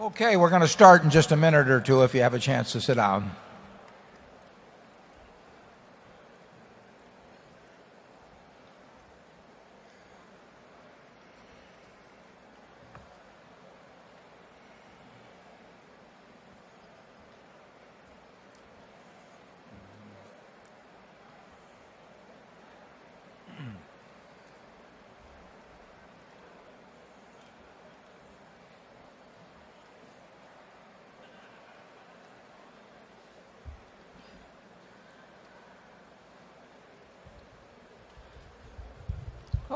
Okay. We're going to start in just a minute or 2 if you have a chance to sit down.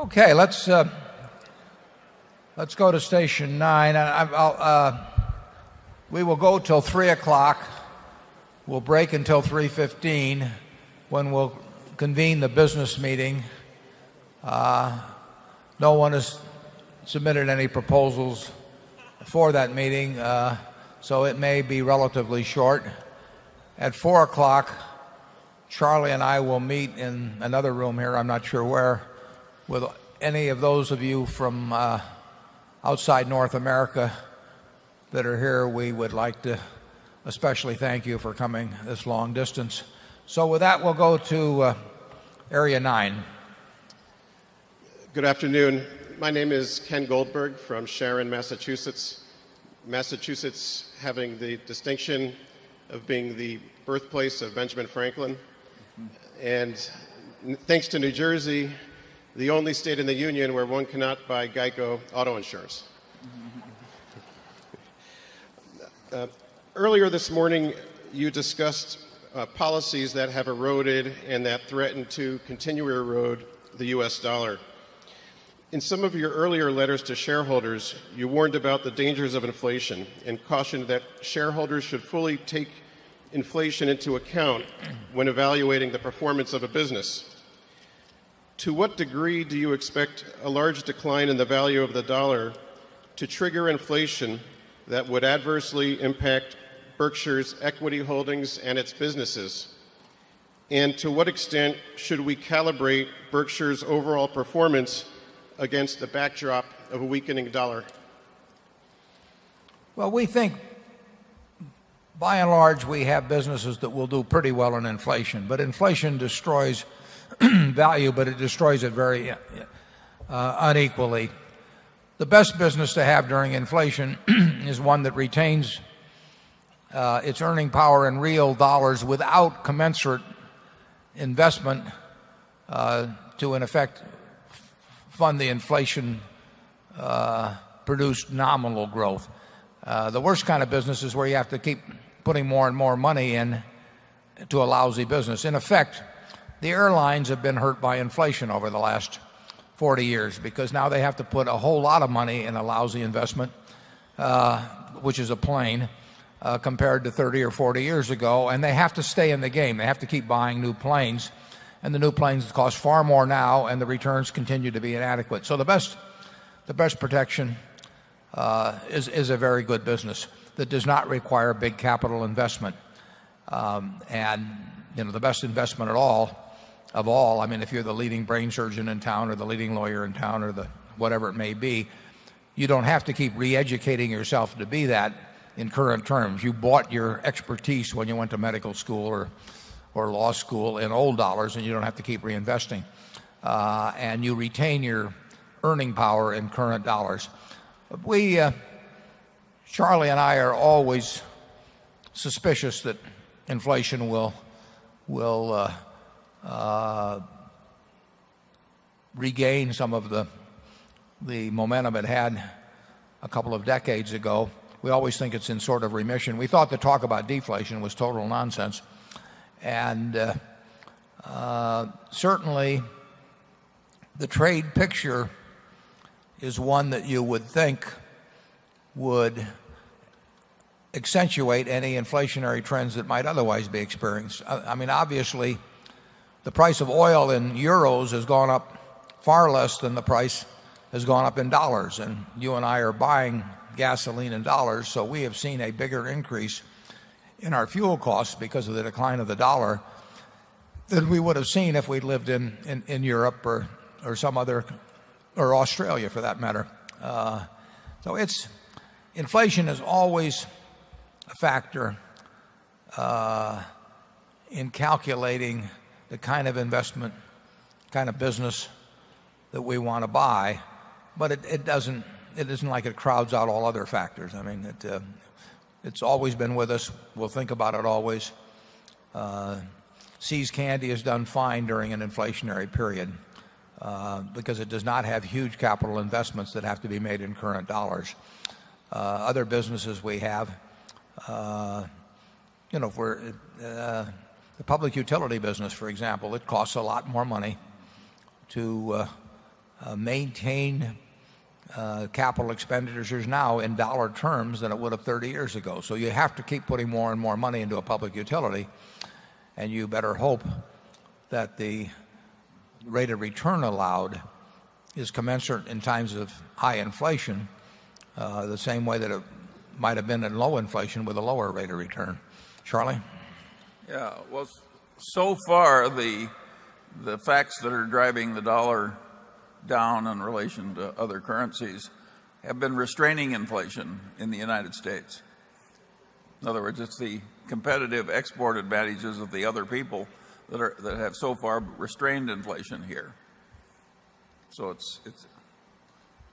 Okay. Let's, let's go to Station 9. And I'll, We will go till 3 o'clock. We'll break until 3:15 when we'll convene the business meeting. No one has submitted any proposals for that meeting. So it may be relatively short. At 4 o'clock, Charlie and I will meet in another room here. I'm not sure where. With any of those of you from outside North America that are here, we would like to especially thank you for coming this long distance. So with that, we'll go to Area 9. Good afternoon. My name is Ken Goldberg from Sharon, Massachusetts, Massachusetts having the distinction of being the birthplace of Benjamin Franklin. And thanks to New Jersey, the only state in the union where one cannot buy GEICO Auto you warned about the dangers of inflation and cautioned that shareholders should fully take inflation into account when evaluating the performance of a business. To what degree do you expect a large decline in the value of the dollar to trigger inflation that would adversely impact Berkshire's equity holdings and its businesses? And to what extent should we calibrate Berkshire's overall performance against the backdrop of a weakening dollar? Well, we think, by and large, we have businesses that will do pretty well on inflation. But inflation destroys value, but it destroys it very unequally. The best business to have during inflation is one that retains its earning power in real dollars without commensurate investment to in effect fund the inflation produced nominal growth. The worst kind of business is where you have to keep putting more and more money in to a lousy business. In effect, the airlines have been hurt by inflation over the last 40 years because now they have to put a whole lot of money in a lousy investment, which is a plane compared to 30 or 40 years ago and they have to stay in the game. They have to keep buying new planes and the new planes cost far more now and the returns continue to be inadequate. So the best protection is a very good business that does not require big capital investment. And the best investment of all, I mean, if you're the leading brain surgeon in town or the leading lawyer in town or the whatever it may be, you don't have to keep re educating yourself to be that in current terms. You bought your expertise when you went to medical school or law school in old dollars and you don't have to keep reinvesting. And you retain your earning power in current dollars. We, Charlie and I are always suspicious that inflation will regain some of the momentum it had a couple of decades ago. We always think it's in sort of remission. We thought the talk about deflation was total nonsense. And certainly the trade picture is one that you would think would accentuate any inflationary trends that might otherwise be experienced. I mean, obviously, the price of oil in euros has gone up far less than the price has gone up in dollars. And you and I are buying gasoline in dollars. So we have seen a bigger increase in our fuel costs because of the decline of the dollar than we would have seen if we lived in Europe or some other or Australia for that matter. So it's inflation is always a factor in calculating the kind of investment, kind of business that we want to buy. But it doesn't it isn't like it crowds out all other factors. I mean, it's always been with us. We'll think about it always. See's Candy has done fine during an inflationary period because it does not have huge capital investments that have to be made in current dollars. Other businesses we have, The public utility business, for example, it costs a lot more money to maintain capital expenditures now in dollar terms than it would have 30 years ago. So you have to keep putting more and more money into a public utility. And you better hope that the rate of return allowed is commensurate in times of high inflation, the same way that it might have been in low inflation with a lower rate of return. Charlie? Yes. Well, so far the facts that are driving the dollar down in relation to other currencies have been restraining inflation in the United States. In other words, it's the competitive export advantages of the other people that have so far restrained inflation here. So it's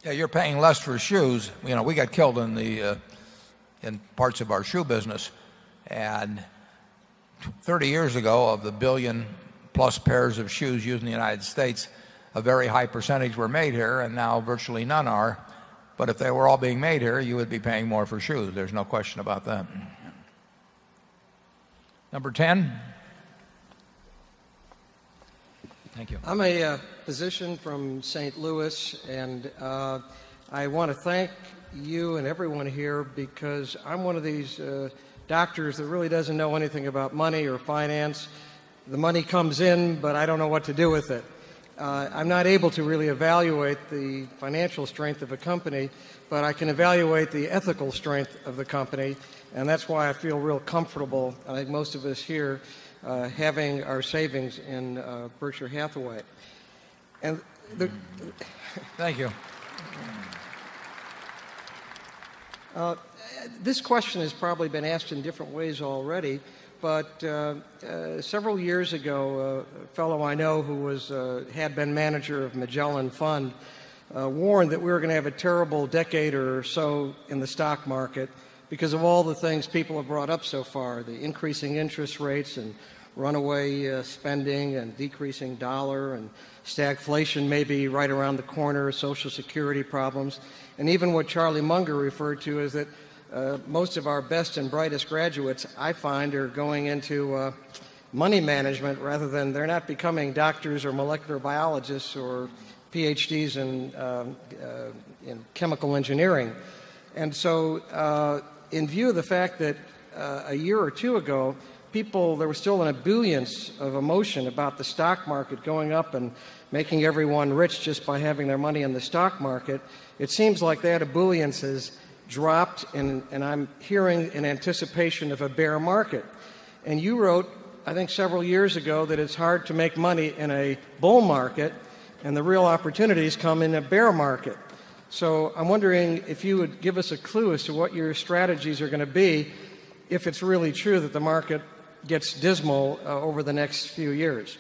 Yes, you're paying less for shoes. We got killed in the in parts of our shoe business. And 30 years ago of the 1,000,000,000 plus pairs of shoes used in the United States, a very high percentage were made here and now virtually none are. But if they were all being made here, you would be paying more for shoes. There's no question about that. Number 10. Thank you. I'm a physician from St. Louis and I want to thank you and everyone here because I'm one of these doctors that really doesn't know anything about money or finance. The money comes in, but I don't know what to do with it. I'm not able to really evaluate the financial strength of the company, but I can evaluate the ethical strength of the company and that's why I feel real comfortable. I think most of us here having our savings in Berkshire Hathaway. Thank you. This question is probably been asked in different ways already, but several years ago fellow I know who was had been manager of Magellan Fund warned that we were going to have a terrible decade or so in the stock market because of all the things people have brought up so far, the increasing interest rates and runaway spending and decreasing dollar and stagflation maybe right around the corner, social security problems and even what Charlie Munger referred to is that most of our best and brightest graduates I find are going into money management rather than they're not becoming doctors or molecular biologists or PhDs in chemical engineering. And so, in view of the fact that a year or 2 ago people there was still an aboleons of emotion about the stock market going up and making everyone rich just by having their money in the stock market. It seems like that a buoyancy has dropped and I'm hearing in anticipation of a bear market. And you wrote, I think several years ago that it's hard to make money in a bull market and the real opportunities come in a bear market. So I'm wondering if you would give us a clue as to what your strategies are going to be if it's really true that the market gets dismal over the next few years?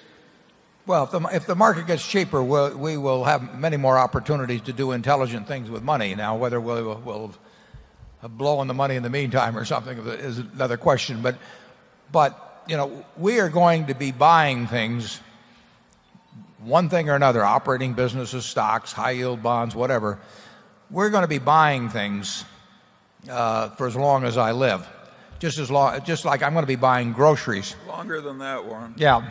Well, if the market gets cheaper, we will have many more opportunities to do intelligent things with money. Now whether we will blow on the money in the meantime or something is another question. But but, you know, we are going to be buying things one thing or another, operating businesses, stocks, high yield bonds, whatever. We're going to be buying things for as long as I live. Just as long, just like I'm going to be buying groceries. Longer than that one. Yeah.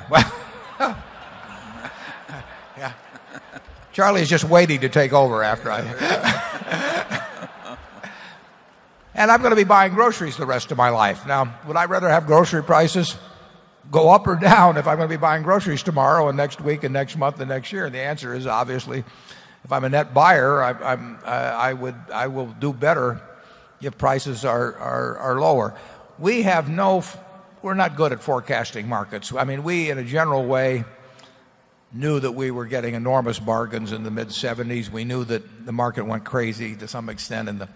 Charlie is just waiting to take over after I hear you. And I'm going to be buying groceries the rest of my life. Now, would I rather have grocery prices go up or down if I'm going to be buying groceries tomorrow and next week and next month and next year? And the answer is obviously, if I'm a net buyer, I would I will do better if prices are lower. We have no we're not good at forecasting markets. I mean, we, in a general way, knew that we were getting enormous bargains in the mid '70s. We knew that the market went crazy to some extent in the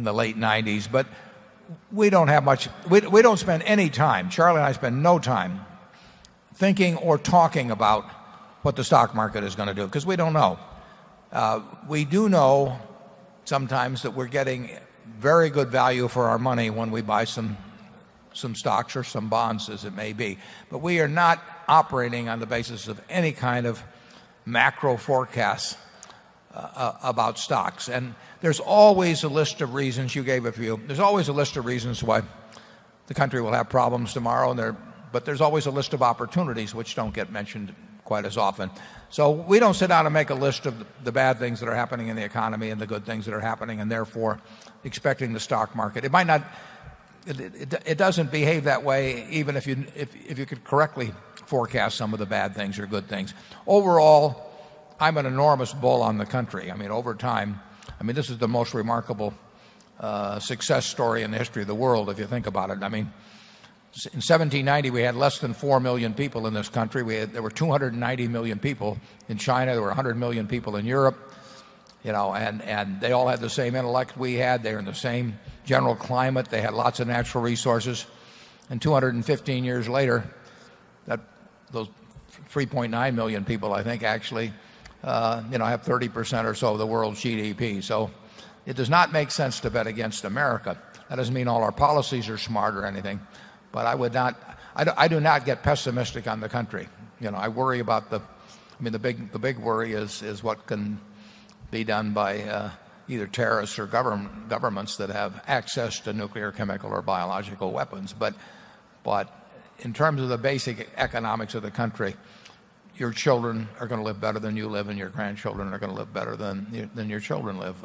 late '90s. But we don't have much we don't spend any time Charlie and I spend no time thinking or talking about what the stock market is going to do because we don't know. We do know sometimes that we're getting very good value for our money when we buy some stocks or some bonds as it may be. But we are not operating on the basis of any kind of macro forecasts about stocks. And there's always a list of reasons you gave a few. There's always a list of reasons why the country will have problems tomorrow and there but there's always a list of opportunities which don't get mentioned quite as often. So we don't sit down and make a list of the bad things that are happening in the economy and the good things that are happening and therefore expecting the stock market. It might not it doesn't behave that way even if you could correctly forecast some of the bad things or good things. Overall, I'm an enormous bull on the country. I mean, over time, I mean, this is the most remarkable success story in the history of the world, if you think about it. I mean, in 17/90, we had less than 4,000,000 people in this country. We had there were 290,000,000 people in China. There were 100,000,000 people in Europe. And they all had the same intellect we had. They were in the same general climate. They had lots of natural resources. And 215 years later, that those 3,900,000 people I think actually, have 30% or so of the world's GDP. So it does not make sense to bet against America. That doesn't mean all our policies are smart or anything. But I would not I do not get pessimistic on the country. I worry about the I mean, the big worry is what can be done by either terrorists or governments that have access to nuclear, chemical or biological weapons. But in terms of the basic economics of the country, your children are going to live better than you live and your grandchildren are going to live better than your children live.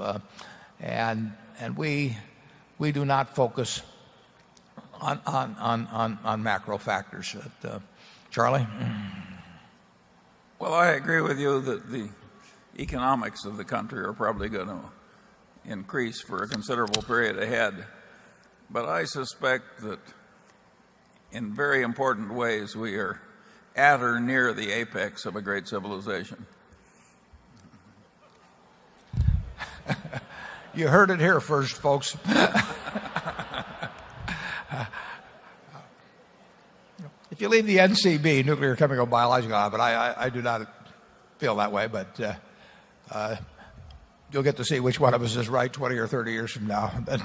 And we do not focus on macro factors. Charlie? Well, I agree with you that the economics of the country are probably going to increase for a considerable period ahead. But I suspect that in very important ways we are at or near the apex of a great civilization. You heard it here first folks. If you leave the NCB, nuclear chemical biology law, but I do not feel that way. But you get to see which one of us is right 20 or 30 years from now. But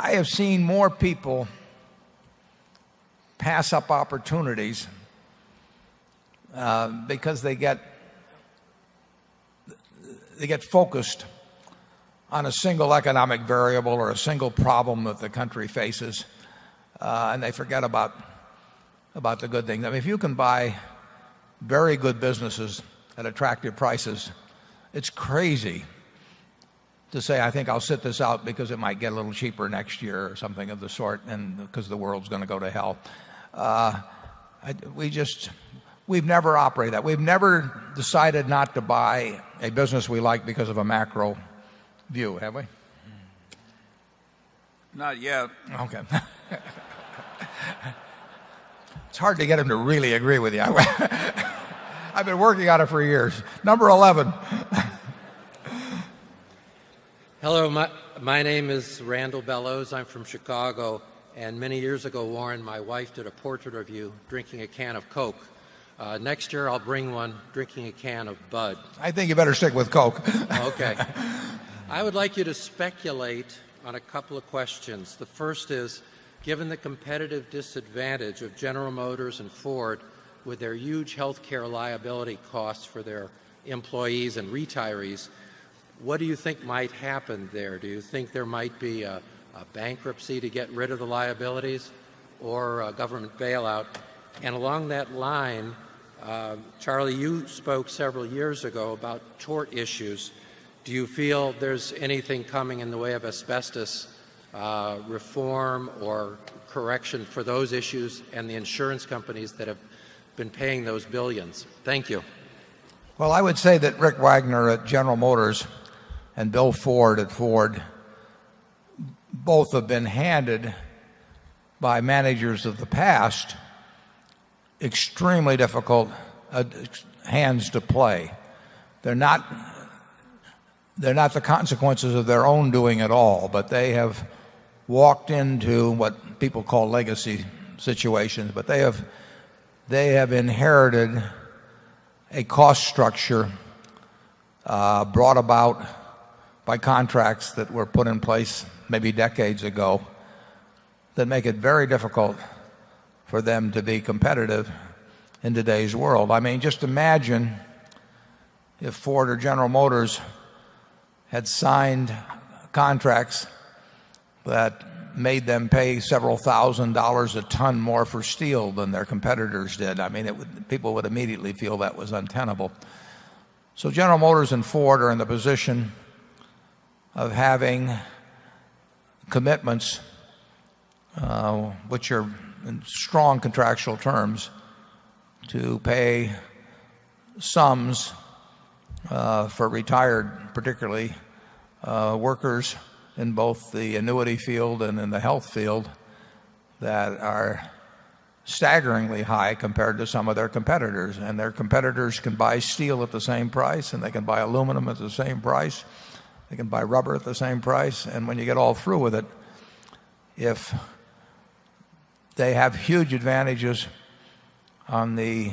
I have seen more people pass up opportunities because they get focused on a single economic variable or a single problem that the country faces. And they forget about about the good thing. I mean, if you can buy very good businesses at attractive prices, it's crazy to say, I think I'll sit this out because it might get a little cheaper next year or something of the sort and because the world's going to go to hell. We just we've never operated that. We've never decided not to buy a business we like because of a macro view, have we? Not yet. Okay. It's hard to get him to really agree with you. I've been working on it for years. Number 11. Hello. My name is Randall Bellows. I'm from Chicago. And many years ago, Warren, my wife did a portrait of you drinking a can of Coke. Next year, I'll bring one drinking a can of Bud. I think you better stick with Coke. Okay. I would like you to speculate on a couple of questions. The first is, given the competitive disadvantage of General Motors and Ford with their huge health care liability costs for their employees and retirees, What do you think might happen there? Do you think there might be a bankruptcy to get rid of the liabilities or a government bailout? And along that line, Charlie, you spoke several years ago about tort issues. Do you feel there's anything coming in the way of asbestos reform or correction for those issues and the insurance companies that have been paying those 1,000,000,000? Thank you. Well, I would say that Rick Wagner at General Motors and Bill Ford at Ford both have been handed by managers of the past extremely difficult hands to play. They're not they're not the consequences of their own doing at all, but they have walked into what people call legacy situations. But they have they have inherited a cost structure brought about by contracts that were put in place maybe decades ago that make it very difficult for them to be competitive in today's world. I mean, just imagine if Ford or General Motors had signed contracts that made them pay several $1,000 a tonne more for steel than their competitors did. I mean, people would immediately feel that was untenable. So General Motors and Ford are in the position of having commitments, which are in strong contractual terms to pay sums for retired particularly workers in both the annuity field and in the health field that are staggeringly high compared to some of their competitors. And their competitors can buy steel at the same price and they can buy aluminum at the same price. They can buy rubber at the same price. And when you get all through with it, if they have huge advantages on the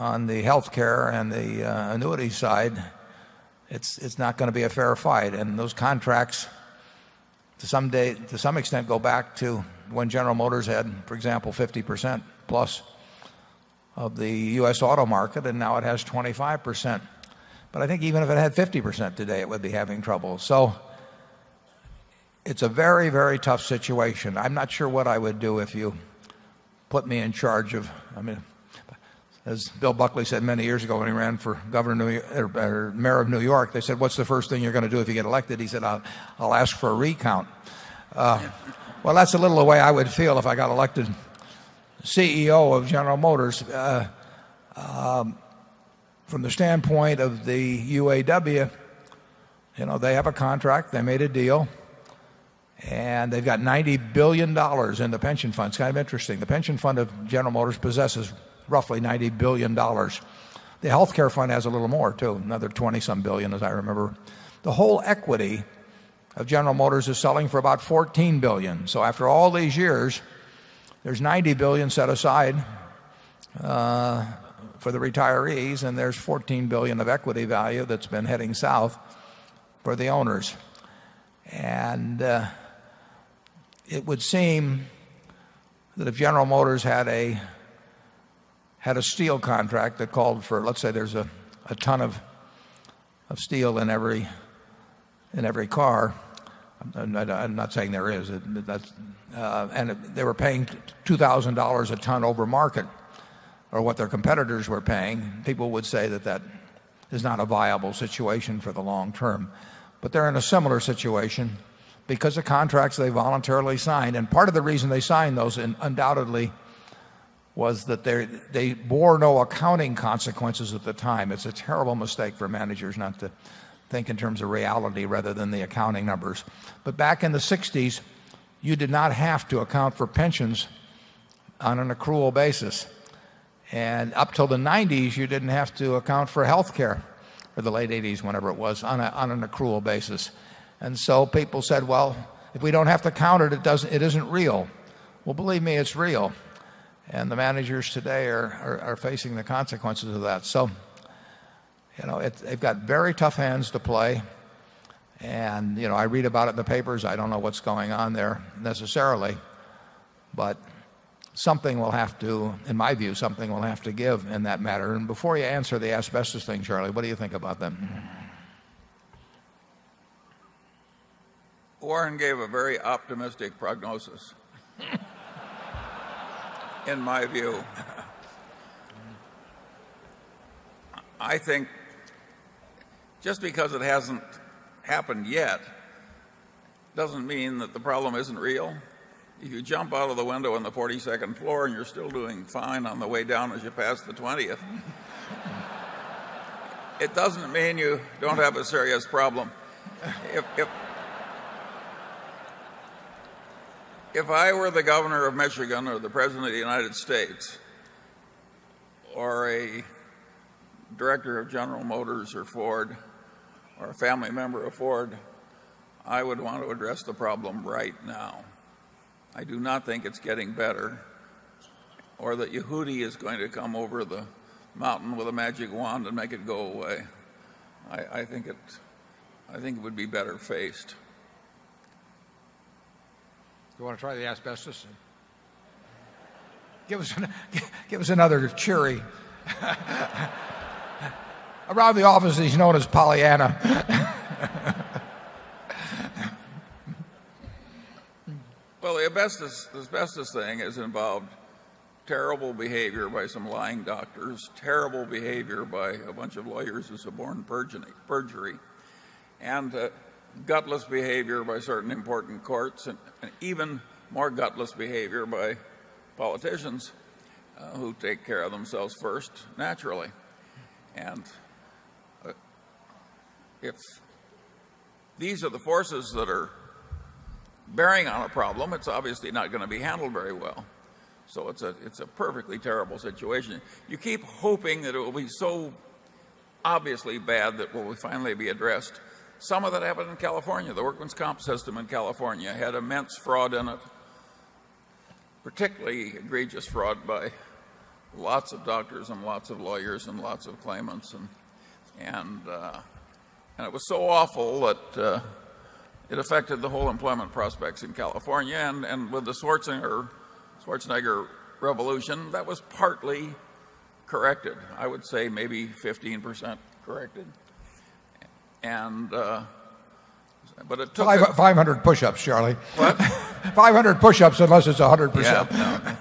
on the health care and the annuity side, it's not going to be a fair fight. And those contracts to some extent go back to when General Motors had, for example, 50% plus of the US auto market and now it has 25 percent. But I think even if it had 50% today, it would be having trouble. So it's a very, very tough situation. I'm not sure what I would do if you put me in charge of, I mean, as Bill Buckley said many years ago when he ran for Governor of New York or Mayor of New York, they said what's the first thing you're going to do if you get elected? He said I'll ask for a recount. Well, that's a little the way I would feel if I got elected CEO of General Motors. From the standpoint of the UAW, you know, they have a contract. They made a deal and they've got $90,000,000,000 in the pension funds. Kind of interesting. The pension fund of General Motors possesses roughly $90,000,000,000 The healthcare fund has a little more too, another 20 some 1000000000 as I remember. The whole equity of General Motors is selling for about 14,000,000,000 So after all these years, there's $90,000,000,000 set aside for the retirees and there's $14,000,000,000 of equity value that's been heading south for the owners. And it would seem that if General Motors had a had a steel contract that called for let's say there's a ton of steel in every in every car. I'm not saying there is, and if they were paying $2,000 a tonne over market or what their competitors were paying, people would say that that is not a viable situation for the long term. But they're in a similar situation because of contracts they voluntarily signed. And part of the reason they signed those undoubtedly was that they bore no accounting consequences at the time. It's a terrible mistake for managers not to think in terms of reality rather than the accounting numbers. But back in the 60s, you did not have to account for pensions on an accrual basis. And up till the nineties, you didn't have to account for health care, or the late eighties, whenever it was, on an accrual basis. And so people said, well, if we don't have to count it, it doesn't it isn't real. Well, believe me, it's real. And the managers today are are facing the consequences of that. So, you know, it's they've got very tough hands to play. And, you know, I read about it in the papers. I don't know what's going on there necessarily. But something will have to, in my view, something will have to give in that matter. And before you answer the asbestos thing, Charlie, what do you think about them? Warren gave a very optimistic prognosis in my view. I think just because it hasn't happened yet doesn't mean that the problem isn't real. If you jump out of the window in the 42nd floor and you're still doing fine on the way down as you pass the 20th, it doesn't mean you don't have a serious problem. If I were the Governor of Michigan or the President of the United States or a Director of General Motors or Ford or a family member of Ford, I would want to address the problem right now. I do not think it's getting better or that Yehudi is going to come over the mountain with a magic wand and make it go away. I think it would be better faced. Do you want to try the asbestos? Give us another cheery. Around the office, he's known as Pollyanna. Well, asbestos thing is involved terrible behavior by some lying doctors, terrible behavior by a bunch of lawyers and so on and purging and gutless behavior by certain important courts and even more gutless behaviour by politicians who take care of themselves first naturally. And it's these are the forces that are bearing on a problem. It's obviously not going to be handled very well. So it's a perfectly terrible situation. You keep hoping that it will be so obviously bad that will finally be addressed. Some of that happened in California. The workman's comp system in California had immense fraud in it, particularly egregious fraud by lots of doctors and lots of lawyers and lots of claimants. And it was so awful that it affected the whole employment prospects in California. And with the Schwarzenegger revolution, that was partly corrected. I would say maybe 15% corrected. And but it took 500 push ups, Charlie. What? 500 push ups unless it's 100%. Yeah.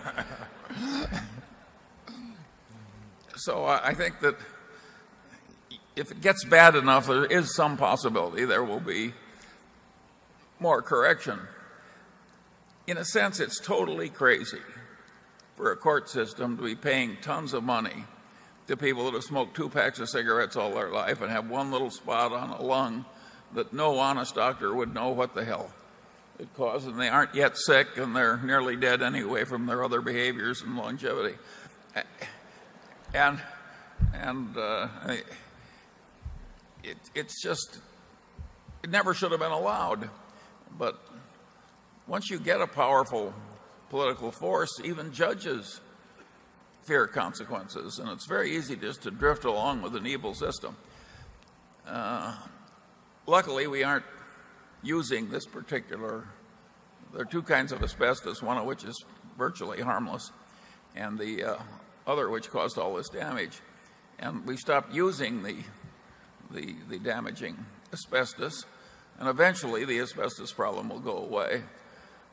So I think that if it gets bad enough, there is some possibility there will be more correction. In a sense, it's totally crazy for a court system to be paying tonnes of money to people that have smoked 2 packs of cigarettes all their life and have one little spot on a lung that no honest doctor would know what the hell it caused and they aren't yet sick and they're nearly dead anyway from their other behaviors and longevity. And it's just it never should have been allowed. But once you get a powerful political force, even judges fear consequences and it's very easy just to drift along with an evil system. Luckily, we aren't using this particular there are 2 kinds of asbestos, one of which is virtually harmless and the other which caused all this damage. And we stopped using the damaging asbestos and eventually the asbestos problem will go away.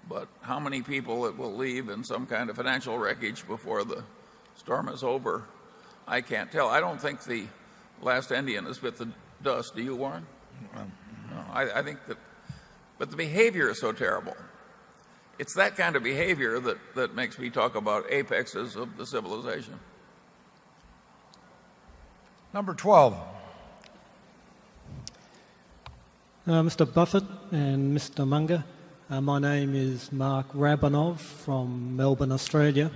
But how many people it will leave in some kind of financial wreckage before the storm is over, I can't tell. I don't think the last Indian is with the dust, do you, Warren? I think that but the behavior is so terrible. It's that kind of behavior that makes me talk about apexes of the civilization. Number 12. Mr. Buffet and Mr. Munger, my name is Mark Rabanov from Melbourne, Australia.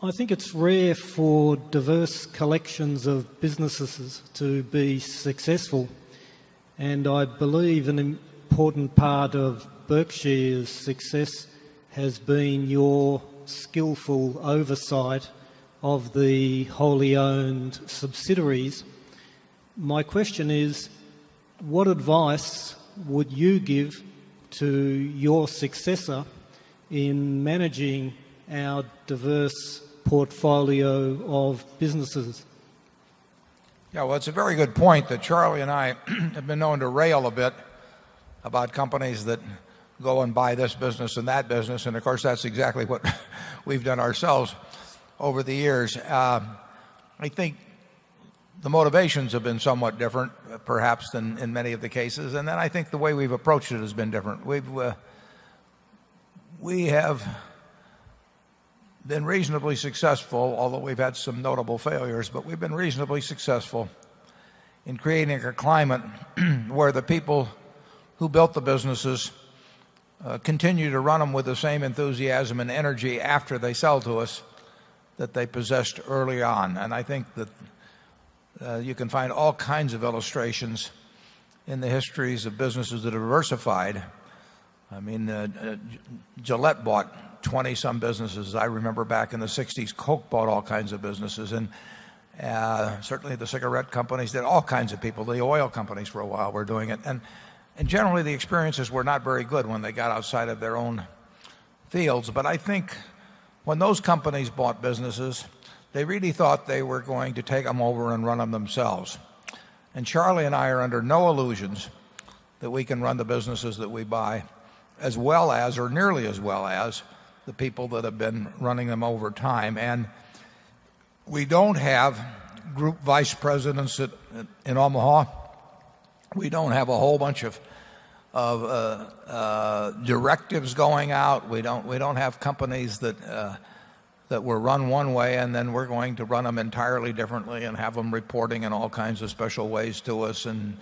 I think it's rare for diverse collections of businesses to be successful. And I believe an important part of Berkshire's success has been your skillful oversight of the wholly owned subsidiaries. My question is, what advice would you give to your successor in managing our diverse portfolio of businesses? Well, it's a very good point that Charlie and I have been known to rail a bit about companies that go and buy this business and that business. And of course, that's exactly what we've done ourselves over the years. I think the motivations have been somewhat different perhaps than in many of the cases. And then I think the way we've approached it has been different. We've we have been reasonably successful, although we've had some notable failures, but we've been reasonably successful in creating a climate where the people who built the businesses continue to run them with the same enthusiasm and energy after they sell to us that they possessed early on. And I think that you can find all kinds of illustrations in the histories of businesses that diversified. I mean, Gillette bought 20 some businesses. I remember back in the 60s, Coke bought all kinds of businesses. And certainly the cigarette companies did all kinds of people, the oil companies for a while were doing it. And generally the experiences were not very good when they got outside of their own fields. But I think when those companies bought businesses, they really thought they were going to take them over and run them themselves. And Charlie and I are under no illusions that we can run the businesses that we buy as well as or nearly as well as the people that have been running them over time. And we don't have group vice presidents in Omaha. We don't have a whole bunch of of directives going out. We don't we don't have companies that that were run one way and then we're going to run them entirely differently and have reporting in all kinds of special ways to us and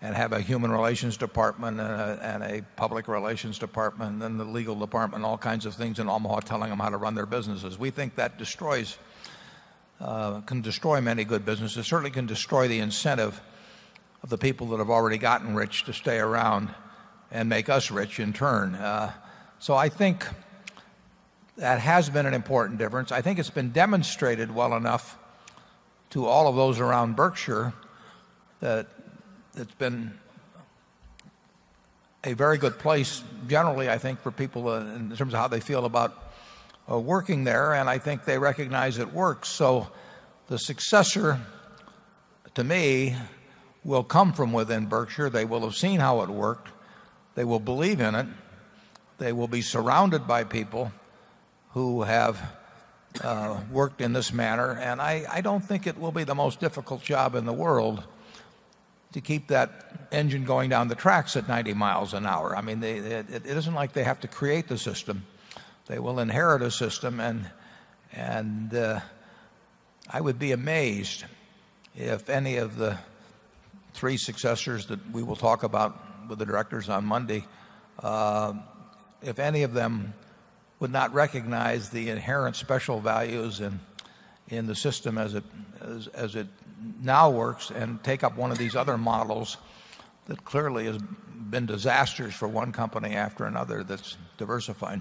have a human relations department and a public relations department and the legal department, all kinds of things in Omaha telling them how to run their businesses. We think that destroys can destroy many good businesses. It certainly can destroy the incentive of the people that have already gotten rich to stay around and make us rich in turn. So I think that has been an important difference. I think it's been demonstrated well enough to all of those around Berkshire that it's been a very good place generally I think for people in terms of how they feel about working there and I think they recognize it works. So the successor to me will come from within Berkshire. They will have seen how it worked. They will believe in it. They will be surrounded by people who have worked in this manner. And I don't think it will be the most difficult job in the world to keep that engine going down the tracks at 90 miles an hour. I mean, they it isn't like they have to create the system. They will inherit a system. And and I would be amazed if any of the 3 successors that we will talk about with the directors on Monday, If any of them would not recognize the inherent special values in the system as it now works and take up one of these other models that clearly has been disastrous for one company after another that's diversified.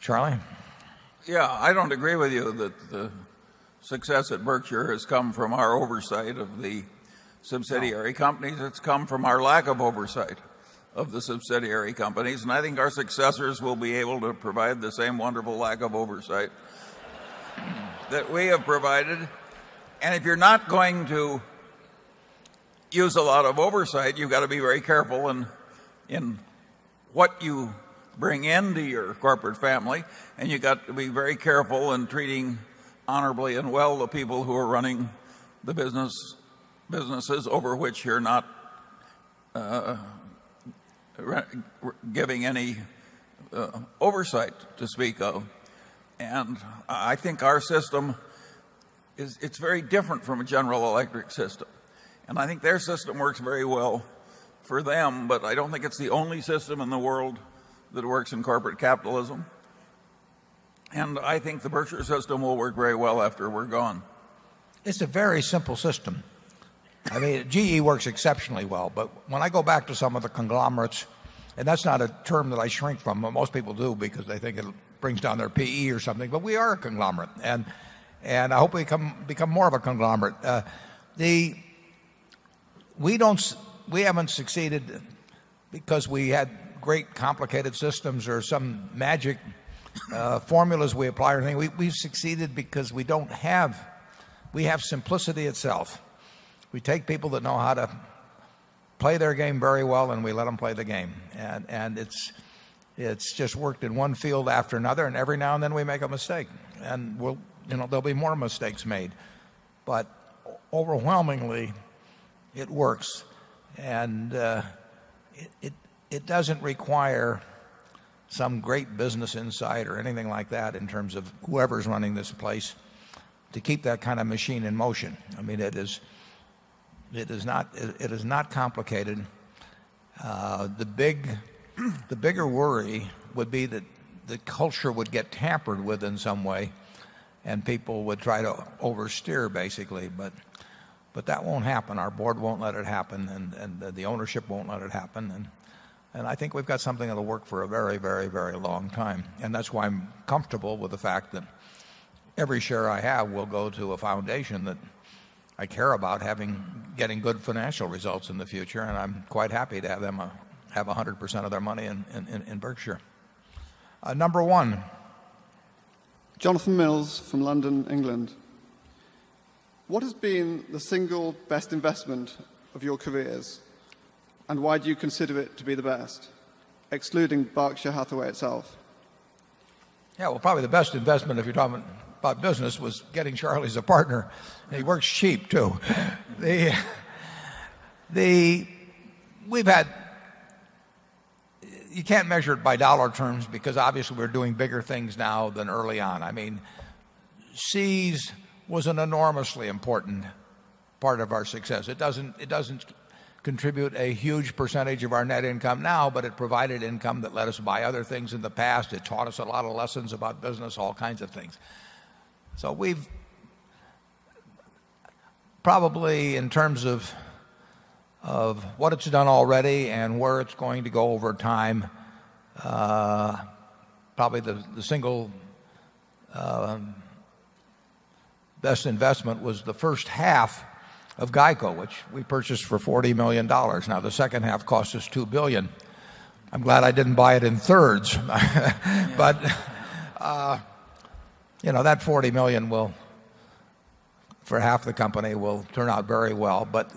Charlie? Yes. I don't agree with you that the success at Berkshire has come from our oversight of the subsidiary companies. It's come from our lack of oversight of the subsidiary companies. And I think our successors will be able to provide the same wonderful lack of oversight that we have provided. And if you're not going to use a lot of oversight, you've got to be very careful in what you bring into your corporate family and you've got to be very careful in treating honorably and well the people who are running the business, businesses over which you're not giving any oversight to speak of. And I think our system is it's very different from a General Electric system. And I think their system works very well for them, but I don't think it's the only system in the world that works in corporate capitalism. And I think the Berkshire system will work very well after we're gone. It's a very simple system. I mean, GE works exceptionally well. But when I go back to some of the conglomerates and that's not a term that I shrink from, but most people do because they think it brings down their PE or something, but we are a conglomerate. And I hope we become more of a conglomerate. The we don't we haven't succeeded because we had great complicated systems or some magic formulas we apply or anything. We've we've succeeded because we don't have we have simplicity itself. We take people that know how to play their game very well and we let them play the game. And it's just worked in one field after another and every now and then we make a mistake And we'll there'll be more mistakes made. But overwhelmingly, it works. And it doesn't require some great business insight or anything like that in terms of whoever's running this place to keep that kind of machine in motion. I mean, it is it is not it is not complicated. The big the bigger worry would be that the culture would get tampered with in some way and people would try to oversteer basically. But but that won't happen. Our Board won't let it happen and the ownership won't let it happen. And I think we've got something that'll work for a very, very, very long time. And that's why I'm comfortable with the fact that every share I have will go to a foundation that I care about getting good financial results in the future and I'm quite happy to have them have 100% of their money in Berkshire. Number 1. Jonathan Mills from London, England. What has been the single best investment of your careers? And why do you consider it to be the best excluding Berkshire Hathaway itself? Yes, well, probably the best investment if you're talking about business was getting Charlie as a partner. He works cheap too. We've had you can't measure it by dollar terms because obviously we're doing bigger things now than early on. I mean, seas was an enormously important part of our success. It doesn't contribute a huge percentage of our net income now, but it provided income that let us buy other things in the past. It taught us a lot of lessons about business, all kinds of things. So we've probably in terms of what it's done already and where it's going to go over time, probably the single best investment was the first half of GEICO, which we purchased for $40,000,000 Now the second half cost us 2,000,000,000. I'm glad I didn't buy it in thirds. But, you know, that 40,000,000 will, for half the company will turn out very well. But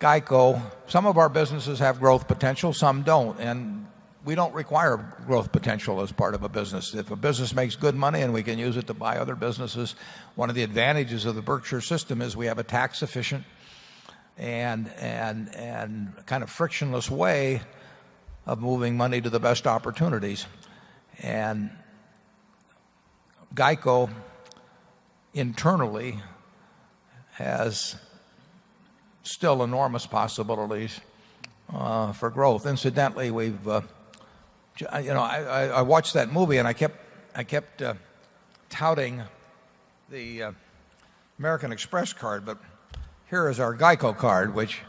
GEICO, some of our businesses have growth potential, some don't. And we don't require growth potential as part of a business. If a business makes good money and we can use it to buy other businesses, one of the advantages of the Berkshire system is we have a tax efficient and kind of frictionless way of moving money to the best opportunities. And GEICO internally has still enormous possibilities for growth. Incidentally, we've I watched that movie and I kept touting the American Express card. But here is our GEICO card, which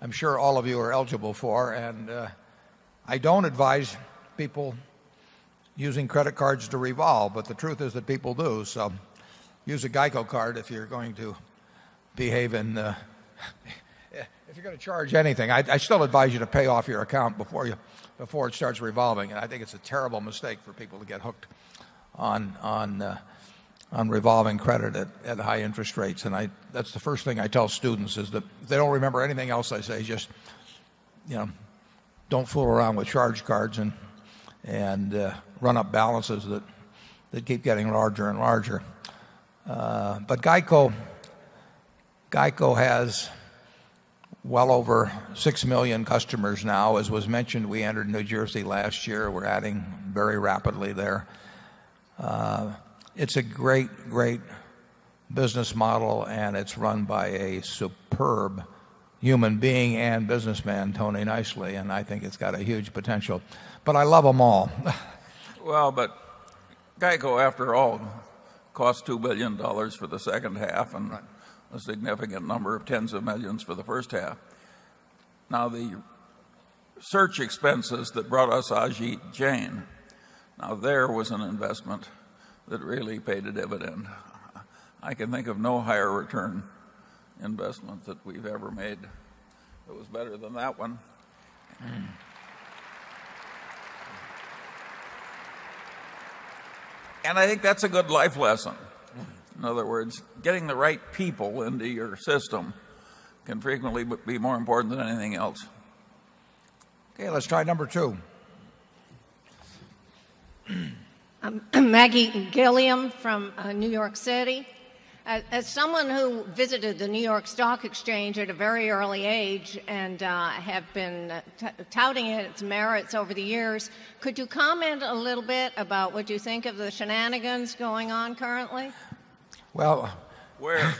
I'm sure all of you are eligible for. And I don't advise people using credit cards to revolve, but the truth is that people do. So use a GEICO card if you're going to behave in, if you're going to charge anything, I I still advise you to pay off your account before you before it starts revolving. And I think it's a terrible mistake for people to get hooked on revolving credit at high interest rates. And I that's the first thing I tell students is that if they don't remember anything else, I say just you know, don't fool around with charge cards and and run up balances that that keep getting larger and larger. But GEICO has well over 6,000,000 customers now. As was mentioned, we entered New Jersey year. We're adding very rapidly there. It's a great, great business model and it's run by a superb human being and businessman, Tony Nicely. And I think it's got a huge potential. But I love them all. Well, but GEICO after all cost $2,000,000,000 for the second half and a significant number of tens of 1,000,000 for the first half. Now the search expenses that brought us Ajit Jain, now there was an investment that really paid a dividend. I can think of no higher return investment that we've ever made that was better than that one. And I think that's a good life lesson. In other words, getting the right people into your system can frequently be more important than anything else. Okay. Let's try number 2. Maggie Gilliam from New York City. As someone who visited the New York Stock Exchange at a very early age and have been touting its merits over the years, could you comment a little bit about what you think of the shenanigans going on currently? Well, we're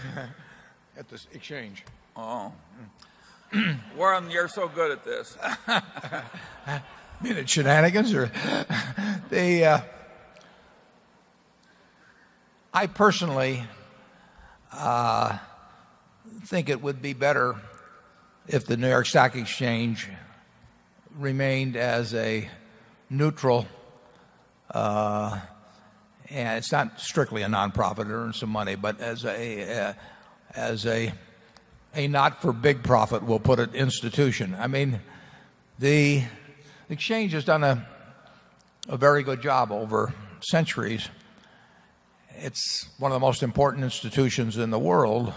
at this exchange. Warren, you're so good at this. You mean it shenanigans? I personally think it would be better if the New York Stock Exchange remained as a neutral, and it's not strictly a non profit, earn some money, but as a not for big profit, we'll put it, institution. I mean, the Exchange has done a very good job over centuries. It's one of the most important institutions in the world.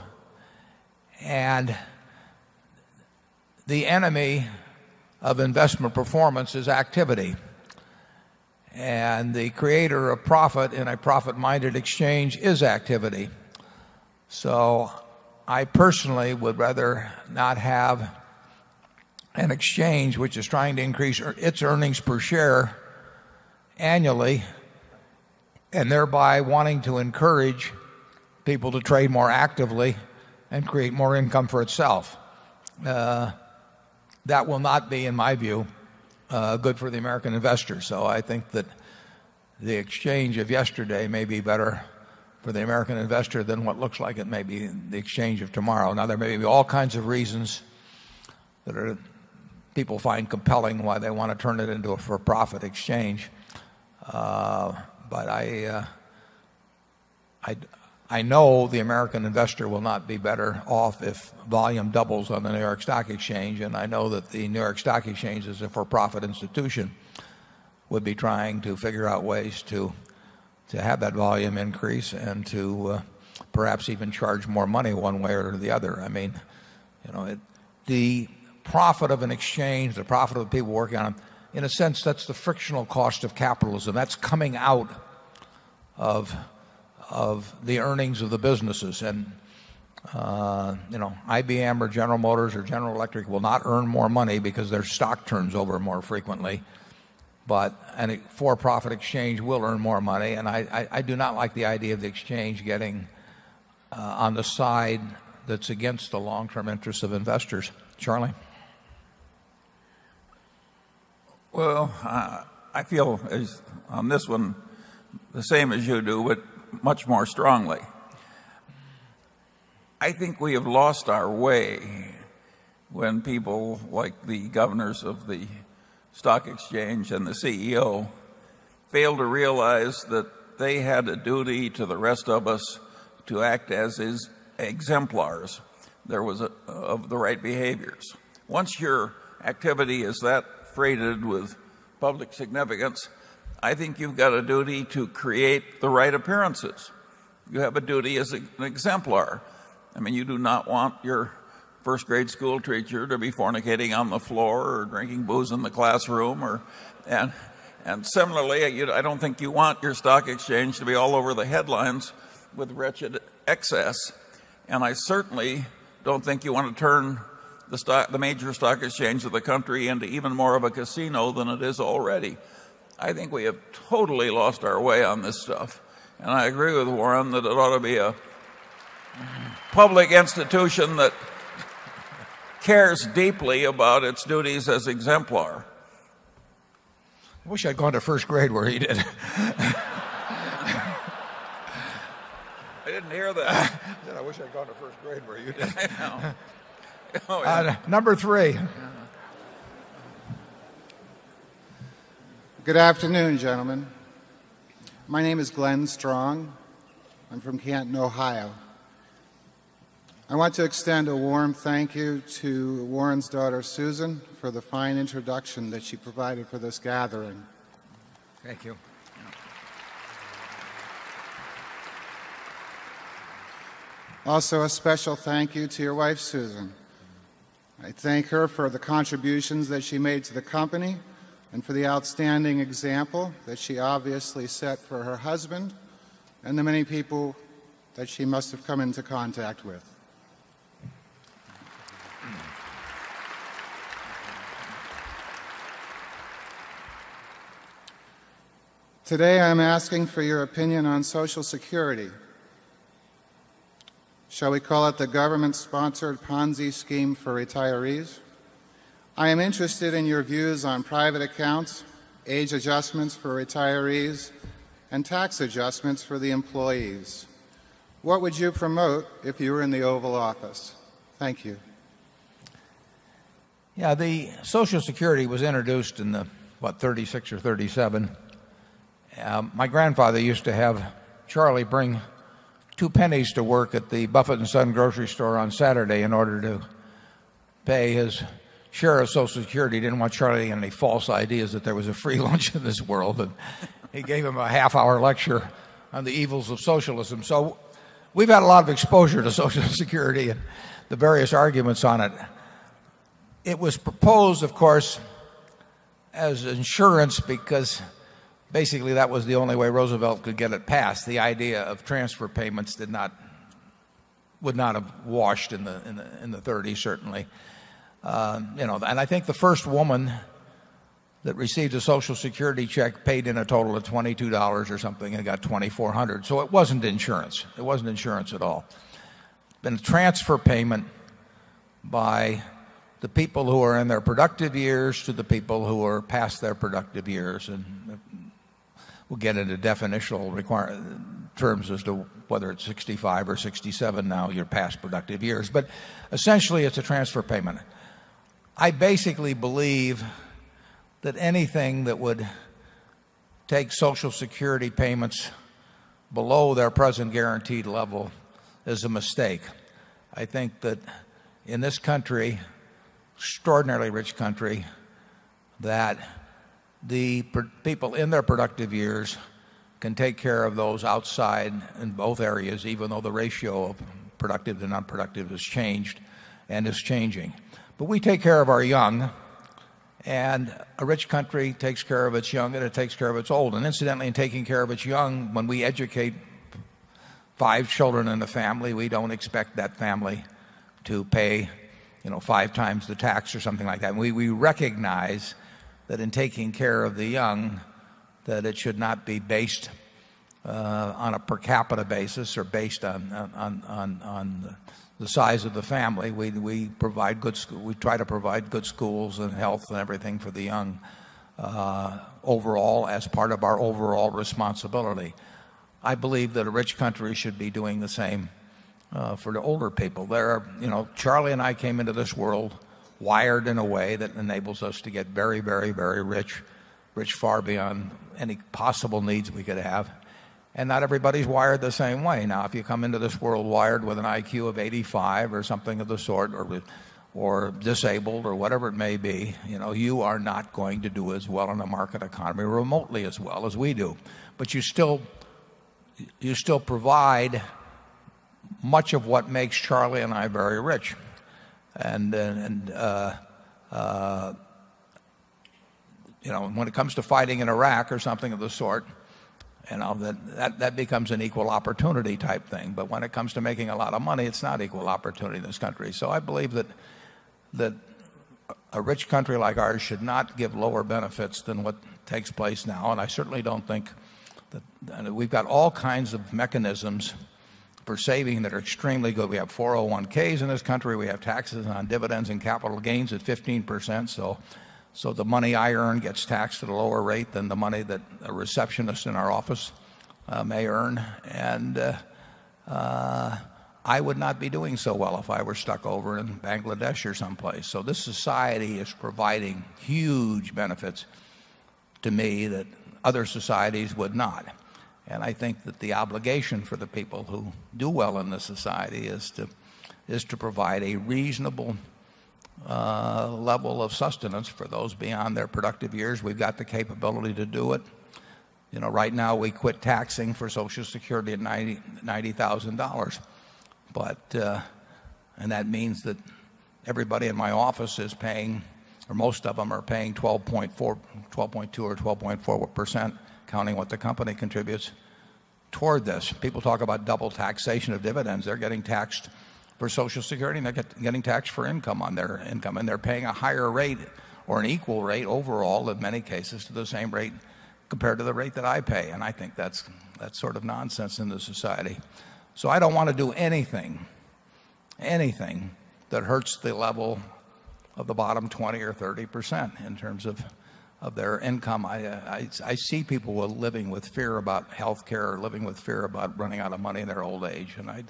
And the enemy of investment performance is activity. And the creator of profit in a profit minded exchange is activity. So I personally would rather not have an exchange which is trying to increase its earnings per share annually and thereby wanting to encourage people to trade more actively and create more income for itself. That will not be in my view good for the American investor. So I think that the exchange of yesterday may be better for the American investor than what looks like it may be the exchange of tomorrow. Now there may be all kinds of reasons that people find compelling why they want to turn it into a for profit exchange. But I know the American investor will not be better off if volume doubles on the New York Stock Exchange. And I know that the New York Stock Exchange is a for profit institution. We'd be trying to figure out ways to have that volume increase and to perhaps even charge more money one way or the other. I mean, the profit of an exchange, the profit of people working on them, in a sense, that's the frictional cost of capitalism. That's coming out of the earnings of the businesses. And, IBM or General Motors or General Electric will not earn more money because stock turns over more frequently. But any for profit exchange will earn more money and I do not like the idea of the exchange getting on the side that's against the long term interest of investors. Charlie? Well, I feel on this one the same as you do but much more strongly. I think we have lost our way when people like the governors of the stock exchange and the CEO failed to realize that they had a duty to the rest of us to act as his exemplars there was of the right behaviors. Once your activity is that freighted with public significance, I think you've got a duty to create the right appearances. You have a duty as an exemplar. I mean, you do not want your 1st grade school teacher to be fornicating on the floor or drinking booze in the classroom or and, and similarly, I don't think you want your stock exchange to be all over the headlines with wretched excess. And I certainly don't think you want to turn the stock the major stock exchange of the country into even more of a casino than it is already. I think we have totally lost our way on this stuff. And I agree with Warren that it ought to be a public institution that cares deeply about its duties as exemplar. I wish I'd gone to 1st grade where he did. I didn't hear that. I wish I'd gone to 1st grade where you didn't. I know. Number 3. Good afternoon, gentlemen. My name is Glenn Strong. I'm from Canton, Ohio. I want to extend a warm thank you to Warren's daughter Susan for the fine introduction that she provided for this gathering. Thank you. Also a special thank you to your wife, Susan. I thank her for the contributions that she made to the company and for the outstanding example that she obviously set for her husband and the many people that she must have come into contact with. Today, I'm asking for your opinion on Social Security. Shall we call it the government sponsored Ponzi scheme for retirees? I am interested in your views on private accounts, age adjustments for retirees and tax adjustments for the employees. What would you promote if you were in the Oval Office? Thank you. Yeah. The Social Security was introduced in the what 36 or 37. My grandfather used to have Charlie bring 2 pennies to work at the Buffet and Son grocery store on Saturday in order to pay his share of social security. He didn't want Charlie any false ideas that there was a free lunch in this world. And he gave him a half hour lecture on the evils of socialism. So we've had a lot of exposure to social security and the various arguments on it. It was proposed, of course, as insurance because basically that was the only way Roosevelt could get it passed. The idea of transfer payments did not would not have washed in the 30s certainly. And I think the first woman you know, and I think the first woman that received a social security check paid in a total of $22 or something and got $24100. So it wasn't insurance. It wasn't insurance at all. Then a transfer payment by the people who are in their productive years to the people who are past their productive years. And we'll get into definitional requirements terms as to whether it's 65 or 67 now you're past productive years. But essentially it's a transfer payment. I basically believe that anything that would take Social Security payments below their present guaranteed level is a mistake. I think that in this country, extraordinarily rich country, that the people in their productive years can take care of those outside in both areas even though the ratio of productive to nonproductive has changed and is changing. But we take care of our young And a rich country takes care of its young and it takes care of its old. And incidentally, in taking care of its young, when we educate 5 children in the family we don't expect that family to pay you know 5 times the tax or something like that. We recognize that in taking care of the young that it should not be based on a per capita basis or based on the size of the family. We we provide good school. We try to provide good schools and health and everything for the young overall as part of our overall responsibility. I believe that a rich country should be doing the same for the older people. There are you know, Charlie and I came into this world wired in a way that enables us to get very, very, very rich, rich far beyond any possible needs we could have. And not everybody's wired the same way. Now if you come into this world wired with an IQ of 85 or something of the sort or or disabled or whatever it may be, you know, you are not going to do as well in a market economy remotely as well as we do. But you still you still provide much of what makes Charlie and I very rich. And when it comes to fighting in Iraq or something of the sort, that becomes an equal opportunity type thing. But when it comes to making a lot of money, it's not equal opportunity in this country. So I believe that a rich country like ours should not give lower benefits than what takes place now. And I certainly don't think that we've got all kinds of mechanisms for saving that are extremely good. We have 401s in this country. We have taxes on dividends and capital gains at 15%. So the money I earn gets taxed at a lower rate than the money that a receptionist in our office may earn. And I would not be doing so well if I were stuck over in Bangladesh or someplace. So this society is providing huge benefits to me that other societies would not. And I think that the obligation for the people who do well in this society is to provide a reasonable level of sustenance for those beyond their productive years. We've got the capability to do it. Right now, we quit taxing for Social Security of $90,000 But and that means that everybody in my office is paying or most of them are paying 12.4 percent 12.2 percent or 12.4 percent, counting what the company contributes toward this. People talk about double taxation of dividends. They're getting taxed for social security and they're getting taxed for income on their income. And they're paying a higher rate or an equal rate overall, in many cases, to the same rate compared to the rate that I pay. And I think that's sort of nonsense in the society. So I don't want to do anything, anything that hurts the level of the bottom 20% or 30% in terms of their income. I see people living with fear about health care, living with fear about running out of money in their old age. And I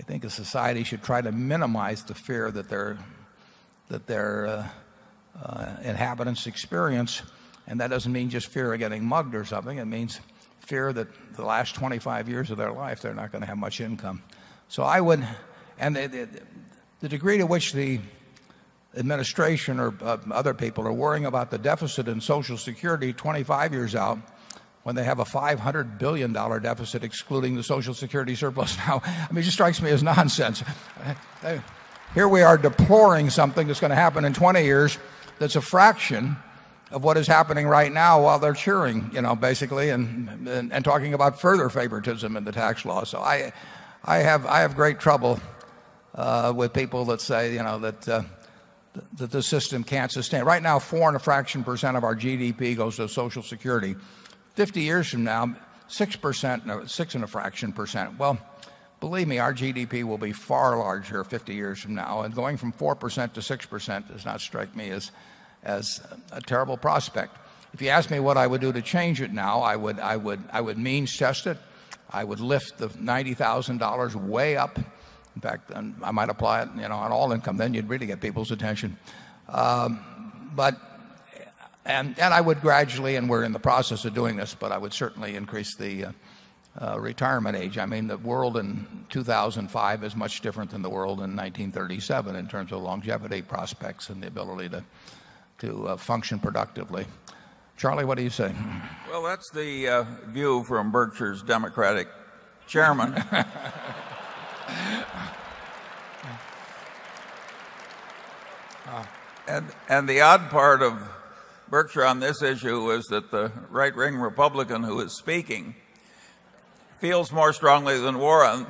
think a society should try to minimize the fear that their, inhabitants experience. And that doesn't mean just fear of getting mugged or something. It means fear that the last 25 years of their life, they're not going to have much income. So I would and the degree to which the administration or other people are worrying about the deficit in Social Security 25 years out when they have a $500,000,000,000 deficit excluding the Social Security surplus now. I mean, it just strikes me as nonsense. Here we are deploring something that's going to happen in 20 years. That's a fraction of what is happening right now while they're cheering, you know, basically and talking about further favoritism in the tax law. So I have great trouble with people that say that the system can't sustain. Right now 4 and a fraction percent of our GDP goes to Social Security. 50 years from now 6 percent, no 6 and a fraction percent. Well, believe me, our GDP will be far larger 50 years from now. And going from 4% to 6% does not strike me as a terrible prospect. If you ask me what I would do to change it now, I would means test it. I would lift the $90,000 way up. In fact, I might apply it on all income, then you'd really get people's attention. But and I would gradually, and we're in the process of doing this, but I would certainly increase the retirement age. I mean the world in 2005 is much different than the world in 1937 in terms of longevity Democratic chairman. And the odd part of Berkshire on this issue was that the right ring Republican who is speaking feels more strongly than Warren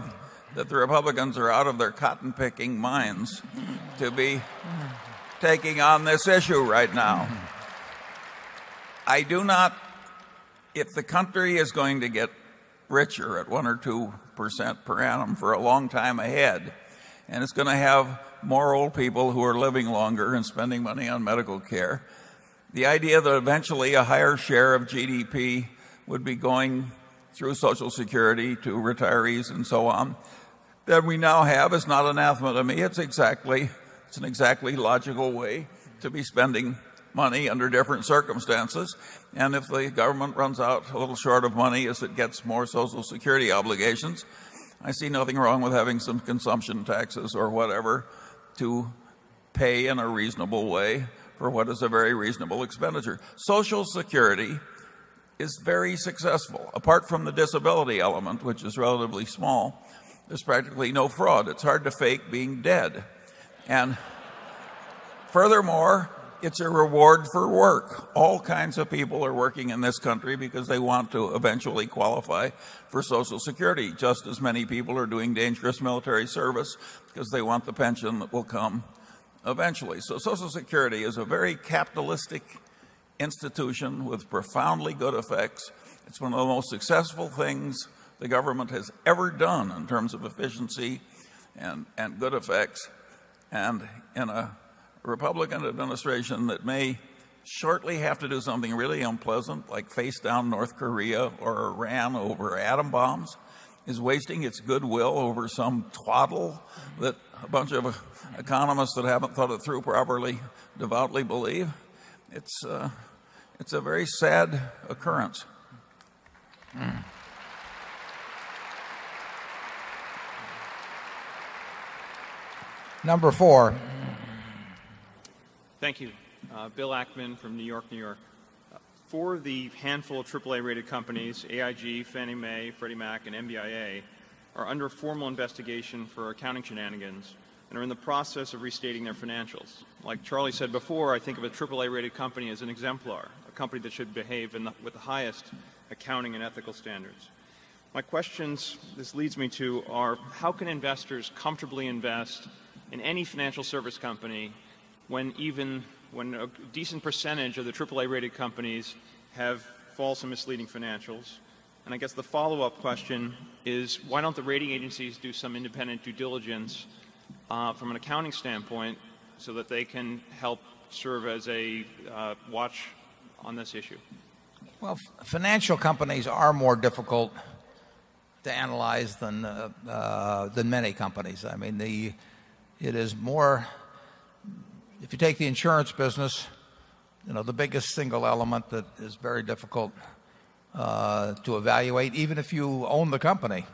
that the Republicans are out of their cotton picking minds to be taking on this issue right now. I do not if the country is going to get richer at 1% or 2% per annum for a long time ahead, and it's gonna have more old people who are living longer and spending money on medical care. The idea that eventually a higher share of GDP would be going through social security to retirees and so on that we now have is not anathema to me. It's exactly, it's an exactly logical way to be spending money under different circumstances. And if the government runs out a little short of money as it gets more social security obligations, I see nothing wrong with having some consumption taxes or whatever to pay in a reasonable way for what is a very reasonable expenditure. Social Security is very successful successful. Apart from the disability element, which is relatively small, there's practically no fraud. It's hard to fake being dead. And furthermore, it's a reward for work. All kinds of people are working in this country because they want to eventually qualify for Social Security just as many people are doing dangerous military service because they want the pension that will come eventually. So Social Security is a very capitalistic institution with profoundly good effects. It's one of the most successful things the government has ever done in terms of efficiency and good effects and in a Republican administration that may shortly have to do something really unpleasant like face down North Korea or Iran over atom bombs is wasting its goodwill over some twaddle that a bunch of economists that haven't thought it through properly devoutly believe. It's a very sad occurrence. Number 4. Thank you. Bill Ackman from New York, New York. For the handful of AAA rated companies, AIG, Fannie Mae, Freddie Mac, and MBIA are under formal investigation for accounting shenanigans and are in the process of restating their financials. Like Charlie said before, I think of a AAA rated company as an exemplar, a company that should behave with the highest accounting and ethical standards. My questions this leads me to are how can investors comfortably invest in any financial service company when even when a decent percentage of the AAA rated companies have false and misleading financials? And I guess the follow-up question is why don't the rating agencies do some independent due diligence, from an accounting standpoint so that they can help serve as a watch on this issue? Well, financial companies are more difficult to analyze than many companies. I mean, the it is more if you take the insurance business, the biggest single element that is very difficult to evaluate, even if you own the company,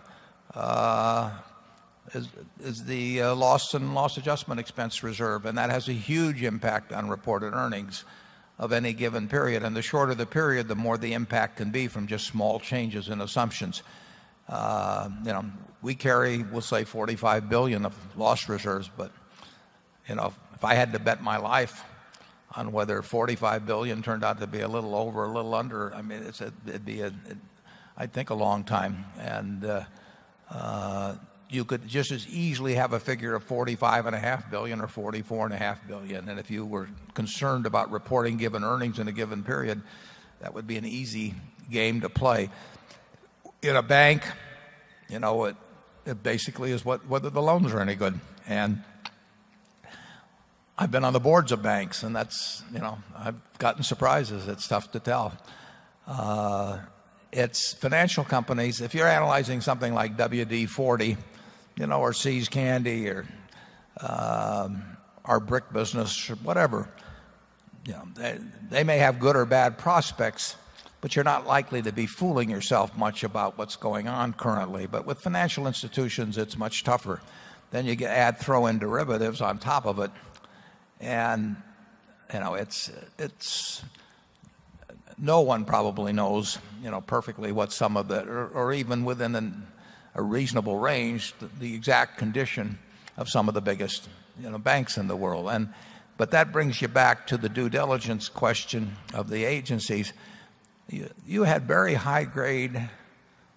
is the loss and loss adjustment expense reserve. And that has a huge impact on reported earnings of any given period. And the shorter the period, the more the impact can be from just small changes in assumptions. We carry, we'll say, 45,000,000,000 of loss reserves. But, you know, if I had to bet my life on whether 45,000,000,000 turned out to be a little over, a little under, I mean, it's a it'd be, I think, a long time. And you could just as easily have a figure of 45 and a half 1000000000 or 44 and a half 1000000000. And if you were concerned about reporting given earnings in a given period that would be an easy game to play. In a bank, you know, it basically is what whether the loans are any good. And I've been on the boards of banks and that's, you know, I've gotten surprises. It's tough to tell. It's financial companies. If you're analyzing something like WD 40 or See's Candy or our brick business or whatever, you know, they may have good or bad prospects, but you're not likely to be fooling yourself much about going on currently. But with financial institutions, it's much tougher. Then you add throw in derivatives on top of it. And you know, it's no one probably knows perfectly what some of it or even within a reasonable range the exact condition of some of the biggest banks in the world. But that brings you back to the due diligence question of the agencies. You had very high grade,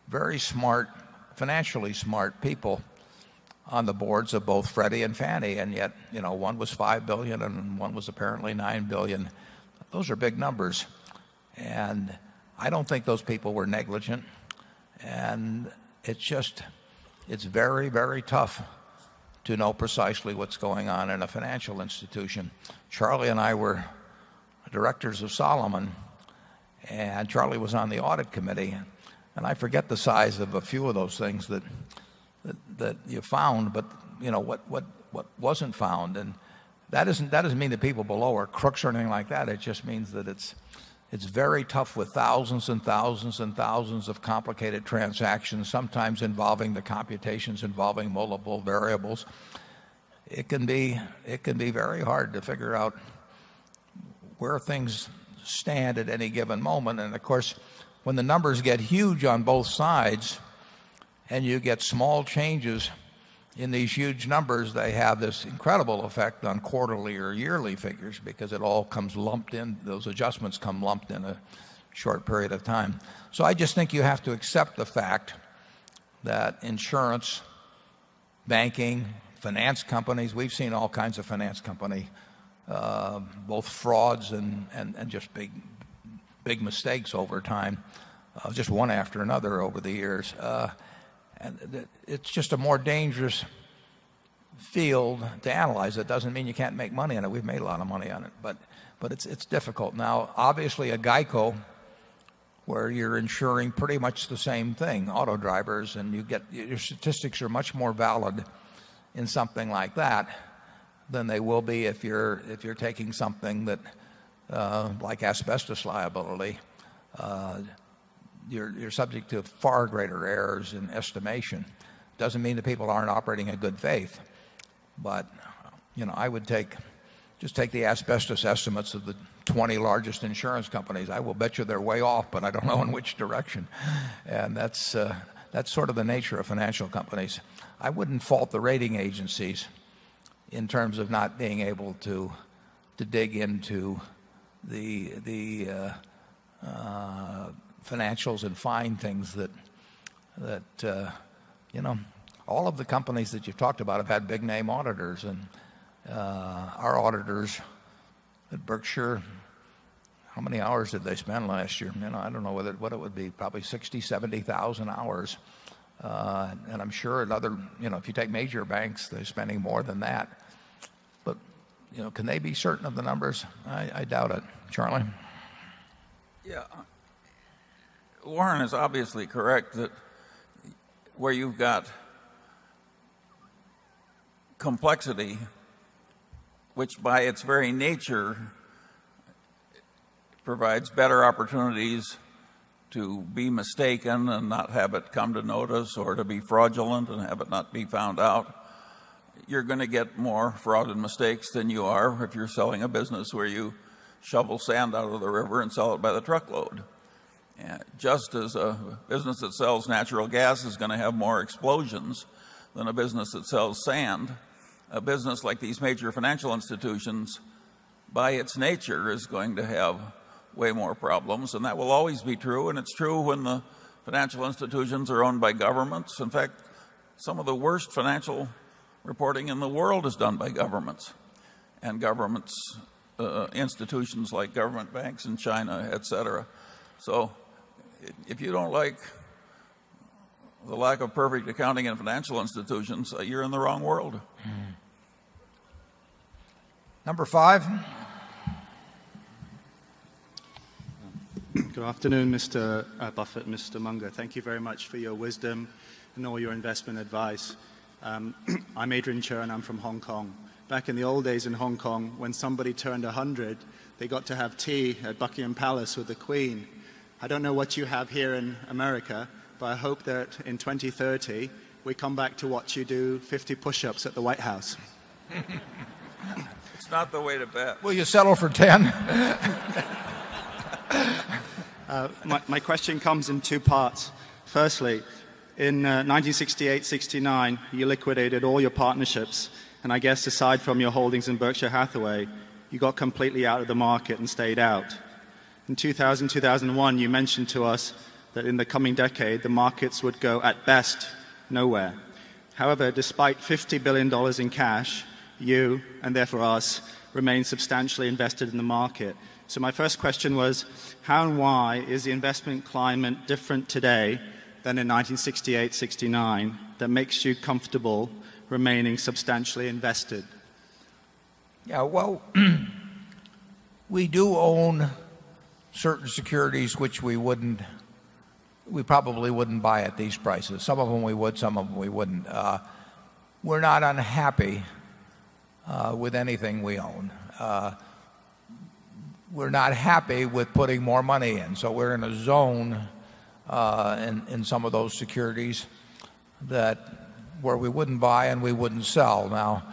very smart, financially smart people on the boards of both Freddie and Fannie. And yet, you know, one was 5,000,000,000 and one was apparently 9,000,000,000. Those are big numbers. And I don't think those people were negligent. And it's just it's very, very tough to know precisely what's going on in a financial institution. Charlie and I were Directors of Solomon and Charlie was on the audit committee. And I forget the size of a few of those things that that that you found, but, you know, what what what wasn't found. And that doesn't mean the people below are crooks or anything like that. It just means that it's very tough 1,000 and 1,000 and 1,000 of complicated transactions, sometimes involving the computations, involving multiple variables. It can be it can be very hard to figure out where things stand at any given moment. And of course, when the numbers get huge on both sides and you get small changes in these huge numbers, they have this incredible effect on quarterly or yearly figures because it all comes lumped in those adjustments come lumped in a short period of time. So I just think you have to accept the fact that insurance, banking, finance companies, we've seen all kinds of finance company, both frauds and and and just big, big mistakes over time, just one after another over the years. And it's just a more dangerous field to analyze. It doesn't mean you can't make money on it. We've made a lot of money on it, But it's difficult. Now obviously, a GEICO where you're insuring pretty much the same thing, auto drivers, and you get your statistics are much more valid in something like that than they will be if you're if you're taking something that, like asbestos liability, you're subject to far greater errors in estimation. Doesn't mean that people aren't operating in good faith. But I would take just take the asbestos estimates of the 20 largest insurance companies. I will bet you they're way off, but I don't know in which direction. And that's that's sort of the nature of financial companies. I wouldn't fault the rating agencies in terms of not being able to dig into the financials and find things that, you know, all of the companies that you've talked about have had big name auditors and, our auditors at Berkshire, how many hours did they spend last year? I don't know what it would be, probably 60, 7000 hours. And I'm sure at other if you take major banks, they're spending more than that. But can they be certain of the numbers? I doubt it. Charlie? Yeah. Warren is obviously correct that where you've got complexity, which by its very nature provides better opportunities to be mistaken and not have it come to notice or to be fraudulent and have it not be found out, you're going to get more fraud and mistakes than you are if you're selling a business where you shovel sand out of the river and sell it by the truckload. Just as a business that sells natural gas is going to have more explosions than a business that sells sand, a business like these major financial institutions by its nature is going to have way more problems and that will always be true and it's true when the financial institutions are owned by governments. In fact, some of the worst financial reporting in the world is done by governments and governments institutions like government banks in China, etcetera. So if you don't like the lack of perfect accounting and financial institutions, you're in the wrong world. Number 5. Good afternoon, Mr. Buffett, Mr. Munger. Thank you very much for your wisdom and all your investment advice. I'm Adrian Churn. I'm from Hong Kong. Back in the old days in Hong Kong, when somebody turned 100, they got to have tea at Buckingham Palace with the Queen. I don't know what you have here in America, but I hope that in 2,030, we come back to watch you do 50 push ups at the White House. It's not the way to bet. Will you settle for 10? My question comes in 2 parts. Firstly, in 1968, 'sixty nine, you liquidated all your partnerships. And I guess aside from your holdings in Berkshire Hathaway, you got completely out of the market and stayed out. In 2000, 2001, you mentioned to us that in the coming decade, the markets would go at best nowhere. However, despite $50,000,000,000 in cash, you and therefore us remain substantially invested in the market. So my first question was, how and why is the investment climate different today than in 1968, 69 that makes you comfortable remaining substantially invested? Yeah. Well, we do own certain securities which we wouldn't we probably wouldn't buy at these prices. Some of them we would, some of them we wouldn't. We're not unhappy with anything we own. We're not happy with putting more money in. So we're in a zone in some of those securities that where we wouldn't buy and we wouldn't sell. Now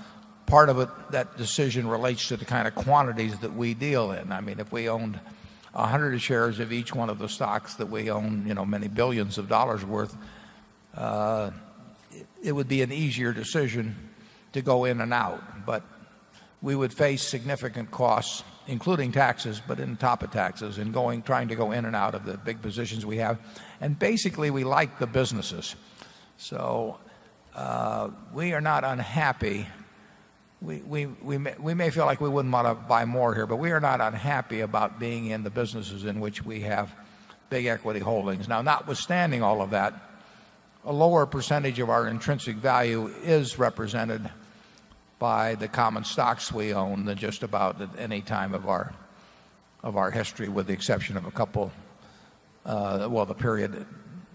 part of it, that decision relates to the kind of quantities that we deal in. I mean if we owned 100 of shares of each one of the stocks that we own many 1,000,000,000 of dollars worth, it would be an easier decision to go in and out. But we would face significant costs including taxes, but in top of taxes and going trying to go in and out of the big positions we have. And basically, we like the businesses. So, we are not unhappy. We may feel like we wouldn't want to buy more here, but we are not unhappy about being in the businesses in which we have big equity holdings. Now notwithstanding all of that a lower percentage of our intrinsic value is represented by the common stocks we own than just about at any time of our of our history with the exception of a couple that will the period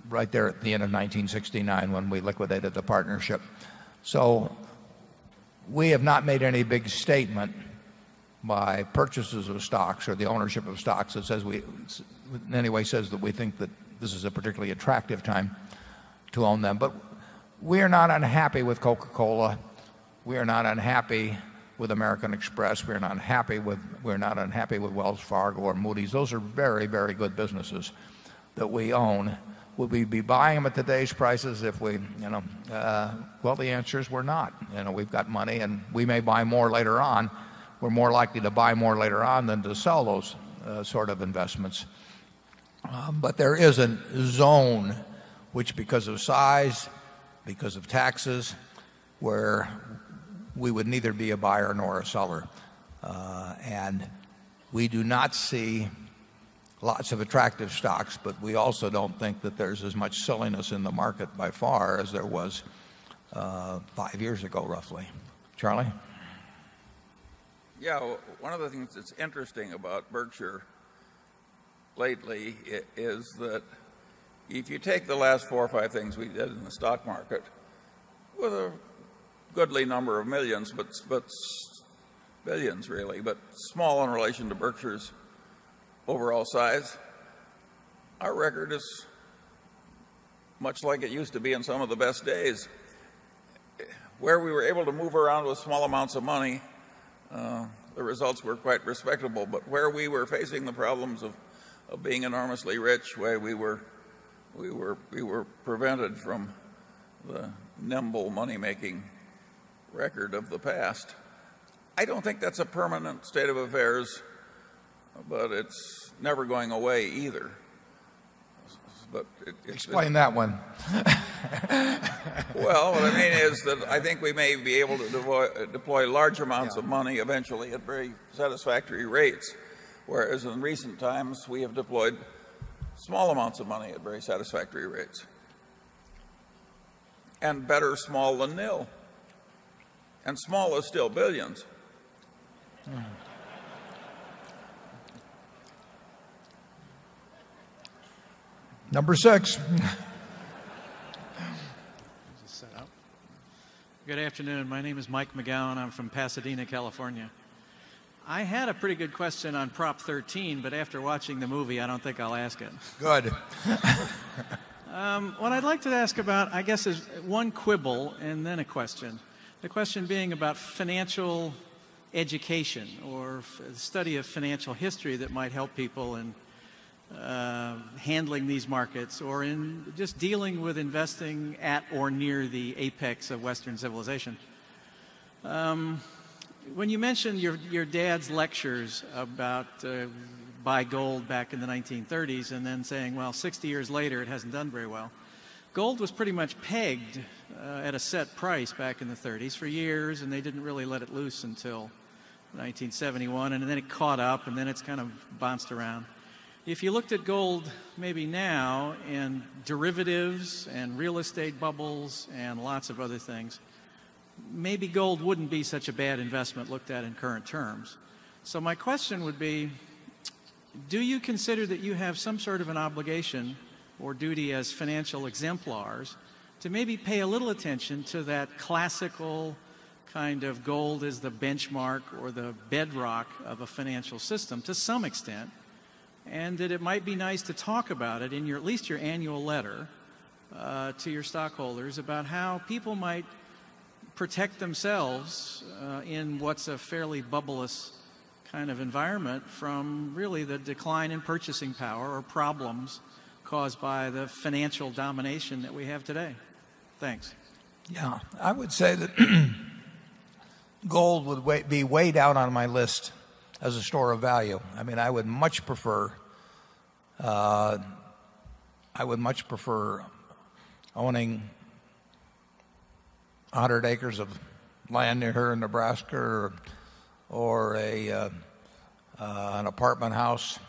right there at the end of 1969 when we liquidated the partnership. So we have not made any big statement by purchases of stocks or the ownership of stocks that says we in any way says that we think that this is a particularly attractive time to own them. But we are not unhappy with Coca Cola. We are not unhappy with American Express. We're not unhappy with we're not unhappy with Wells Fargo or Moody's. Those are very very good businesses that we own. Will we be buying them at today's prices if we, you know, well the answer is we're not. We've got money and we may buy more later on. We're more likely to buy more later on than to sell those sort of investments. But there is a zone which because of size, because of taxes where we would neither be a buyer nor a seller. And we do not see lots of attractive stocks, but we also don't think that there's as much silliness in the market by far as there was 5 years ago roughly. Charlie? Yes. One of the things that's interesting about Berkshire lately is that if you take the last 4 or 5 things we did in the stock market with a goodly number of 1,000,000 but 1,000,000,000 really, but small in relation to Berkshire's overall size. Our record is much like it used to be in some of the best days. Where we were able to move around with small amounts of money, the results were quite respectable. But where we were facing the problems of being enormously rich, where we were prevented from the nimble moneymaking record of the past. I don't think that's a permanent state of affairs but it's never going away either. But it Explain that one. Well, what I mean is that I think we may be able to deploy And and better small than nil and small is still billions. Number 6. Good afternoon. My name is Mike McGowan. I'm from Pasadena, California. I had a pretty good question on Prop 13, but watching the movie, I don't think I'll ask it. Good. What I'd like to ask about, I guess, is one quibble and then a question. The question being about financial education or study of financial history that might help people in handling these markets or in just dealing with investing at or near the apex of Western civilization. When you mentioned your dad's lectures about buy gold back in the 1930s and then saying, well, 60 years later, it hasn't done very well. Gold was pretty much pegged at a set price back in the '30s for years and they didn't really let it loose until 1971 and then it caught up and then it's kind of bounced around. If you looked at gold maybe now and derivatives and real estate bubbles and lots of other things, maybe gold wouldn't be such a bad investment looked at in current terms. So my question would be, do you consider that you have some sort of an obligation or duty as financial exemplars to maybe pay a little attention to that classical kind of gold is the benchmark or the bedrock of a financial system to some extent. And that it might be nice to talk about it in your at least your annual letter to your stockholders about how people might protect themselves in what's a fairly bubbleless kind of environment from really the decline in purchasing power or problems caused by the financial domination that we have today? Thanks. Yes. I would say that gold would be weighed out on my list as a store of value. I mean, I would much prefer I would much prefer owning 100 acres of land near here in Nebraska or an apartment house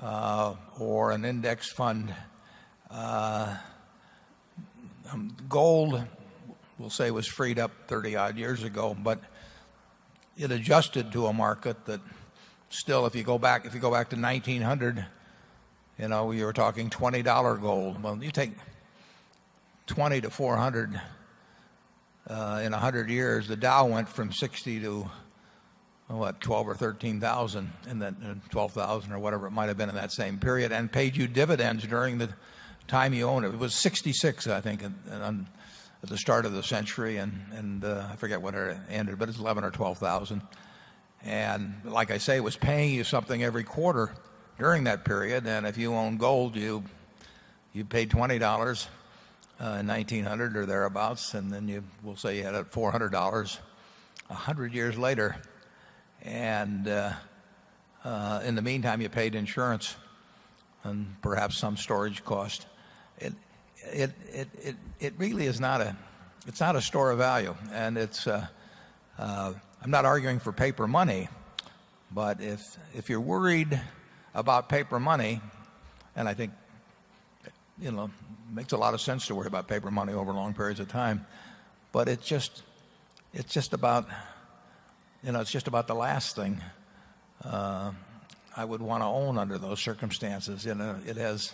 or an index fund. Gold, we'll say was freed up 30 odd years ago, but it adjusted to a market that still if you go back if you go back to 1900, you know, you were talking $20 gold. When you take 20 to 400 in a 100 years the Dow went from 60 to what 12 or 13,000 and then 12,000 or whatever it might have been in that same period and paid you dividends during the time you owned it. It was 66, I think, at the start of the century. And I forget when it entered, but it's $11,000 or $12,000 And like I say, it was paying you something every quarter during that period. And if you owned gold, you paid $20 in $1900 or thereabouts, and then you will say you had $400 100 years later. And in the meantime you paid insurance and perhaps some storage cost, it really is not a it's not a store of value. And it's, I'm not arguing for paper money. But if you're worried about paper money, and I think, you know, it makes a lot of sense to worry about paper money over long periods of time, but it's just it's just about, you know, it's just about the last thing I would want to own under those circumstances. And it has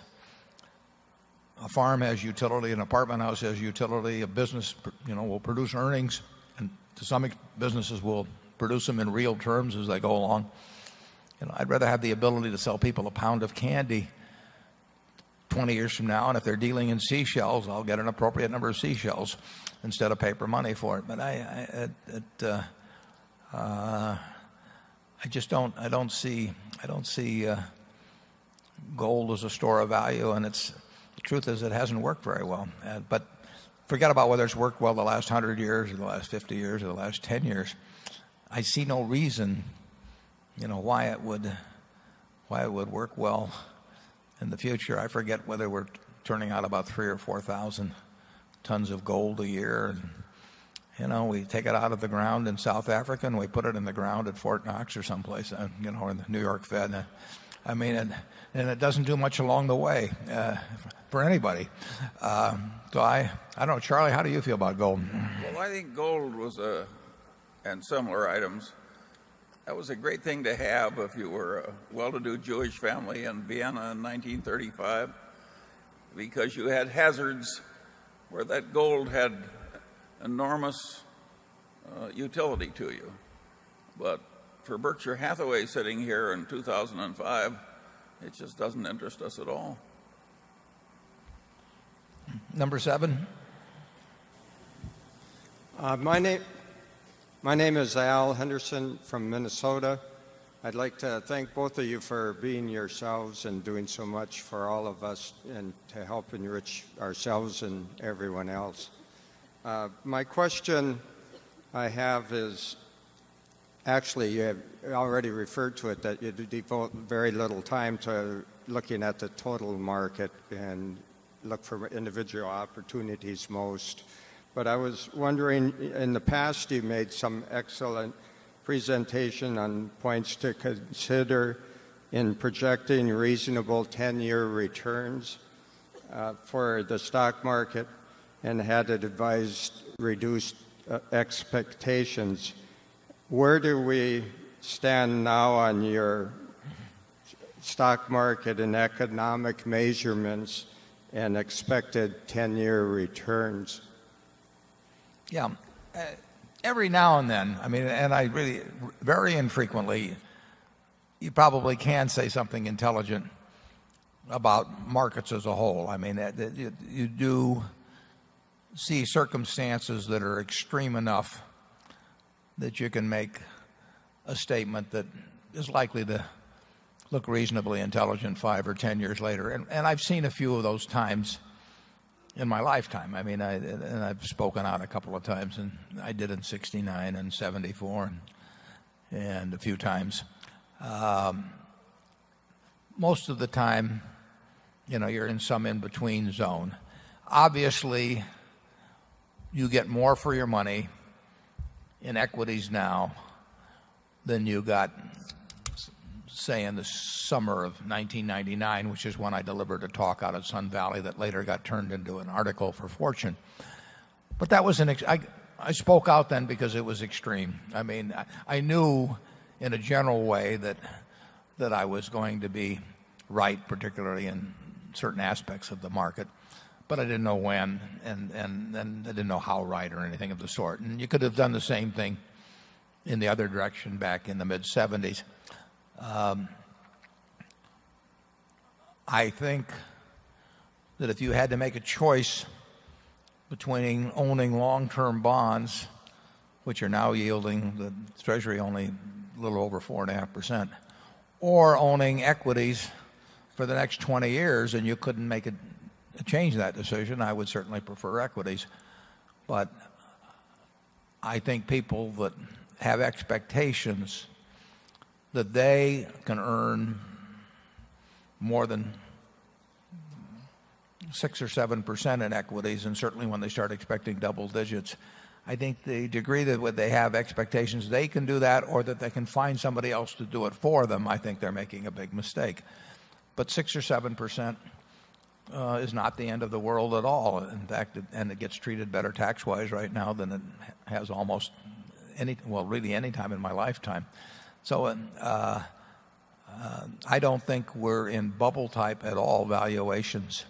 a farm has utility, an apartment house has utility, a business, you know, will produce earnings, and to some businesses will produce them in real terms as I go along. And I'd rather have the ability to sell people a pound of candy 20 years from now. And if they're dealing in seashells, I'll get an appropriate number of seashells instead of paper money for it. But I just don't I don't see I don't see, gold as a store of value. And it's the truth is it hasn't worked very well. But forget about whether it's worked well the last 100 years or the last 50 years or the last 10 years. I see no reason why it would work well in the future. I forget whether we're turning out about 3 or 4000 tonnes of gold a year. And we take it out of the ground in South Africa and we put it in the ground at Fort Knox or someplace, you know, or the New York Fed. I mean, and it doesn't do much along the way for anybody. So I don't know, Charlie, how do you feel about gold? Well, I think gold was and similar items. That was a great thing to have if you were a well-to-do Jewish family in Vienna in 1935 because you had hazards where that gold had enormous utility to you. But for Berkshire Hathaway sitting here in 2,005, it just doesn't interest us at all. Number 7. My name is Al Henderson from Minnesota. I'd like to thank both of you for being yourselves and doing so much for all of us and to help enrich ourselves and everyone else. My question I have is actually you have already referred to it that you do devote very little time to looking at the total market and look for individual opportunities most. But I was wondering in the past you made some excellent presentation on points to consider in projecting reasonable 10 year returns for the stock market and had advised reduced expectations. Where do we stand now on your stock market and economic measurements and expected 10 year returns? Yeah. Every now and then, I mean, and I really very infrequently, you probably can say something intelligent about markets as a whole. I mean, you do see circumstances that are extreme enough that you can make a statement that is likely to look reasonably intelligent 5 or 10 years later. And I've seen a few of those times in my lifetime. I mean, I've spoken out a couple of times and I did in 'sixty nine and 'seventy four and a few times. Most of the time, you know, you're in some in between zone. Obviously, you get more for your money in equities now than you got say in the summer of 1999 which is when I delivered a talk out of Sun Valley that later got turned into an article for Fortune But that was an I spoke out then because it was extreme. I mean, I knew in a general way that I was going to be right, particularly in certain aspects of the market. But I didn't know when and I didn't know how right or anything of the sort. And you could have done the same thing in the other direction back in the mid '70s. I think that if you had to make a choice between owning long term bonds, which are now yielding the treasury only a little over 4.5%, or owning equities for the next 20 years and you couldn't make it change that decision, I would certainly prefer equities. But I think people that have expectations that they can earn more than 6% or 7% in equities and certainly when they start expecting double digits. I think the degree that when they have expectations they can do that or that they can find somebody else to do it for them, I think they're making a big mistake. But 6% or 7% is not the end of the world at all. In fact, it and it gets treated better tax wise right now than it has almost any well, really any time in my lifetime. So I don't think we're in bubble type at all valuations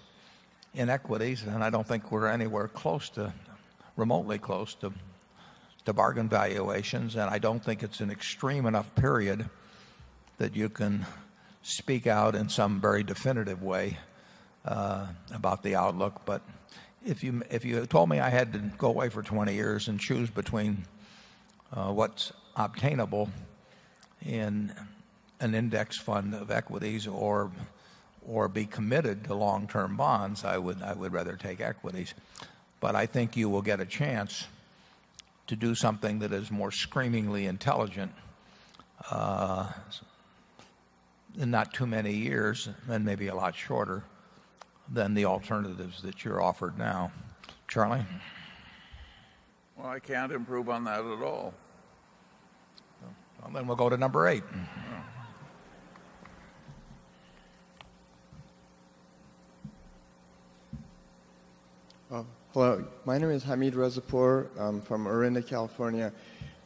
in equities, and I don't think we're anywhere close to remotely close to to bargain valuations. And I don't think it's an extreme enough period that you can speak out in some very definitive way about the outlook. But if you if you told me I had to go away for 20 years and choose between what's obtainable in an index fund of equities or or be committed to long term bonds, I would rather take equities. But I think you will get a chance to do something that is more screamingly intelligent in not too many years and maybe a lot shorter than the alternatives that you're offered now. Charlie? Well, I can't improve on that at all. And then we'll go to number 8. Hello. My name is Hamid Rezapour from Orinda, California.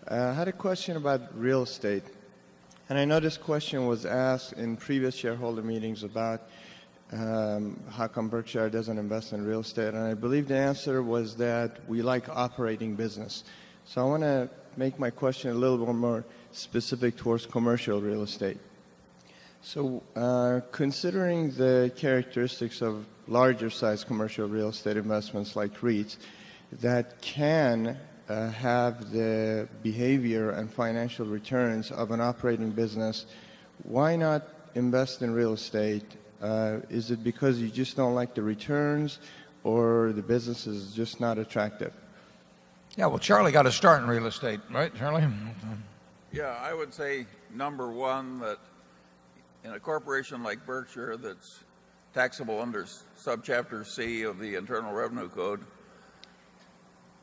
I had a question about real estate. And I know this question was asked in previous shareholder meetings about how come Berkshire doesn't invest in real estate. And I believe the answer was that we like operating business. So I want to make my question a little bit more specific towards commercial real estate. So, considering the characteristics of larger size commercial real estate investments like REITs that can have the behavior and financial returns of an operating business. Why not invest in real estate? Is it because you just don't like the returns or the business is just not attractive? Yes. Well, Charlie got a start in real estate, right, Charlie? Yes. I would say number 1 that in a corporation like Berkshire that's taxable under Subchapter C of the Internal Revenue Code,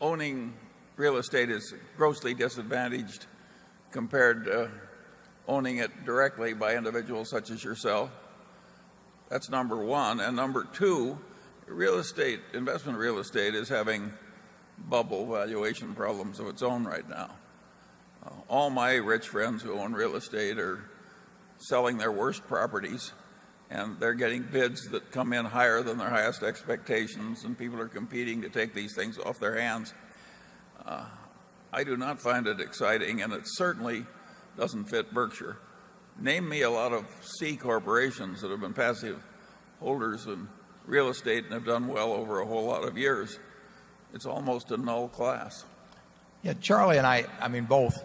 owning real estate is grossly disadvantaged compared to owning it directly by individuals such as yourself. That's number 1. And number 2, real estate, investment real estate is having bubble valuation problems of its own right now. All my rich friends who own real estate are selling their worst properties and they're getting bids that come in higher than their highest expectations and people are competing to take these things off their hands. I do not find it exciting and it certainly doesn't fit Berkshire. Name me a lot of C Corporations that have been passive holders in real estate and have done well over a whole lot of years. It's almost a null class. Yeah. Charlie and I I mean, both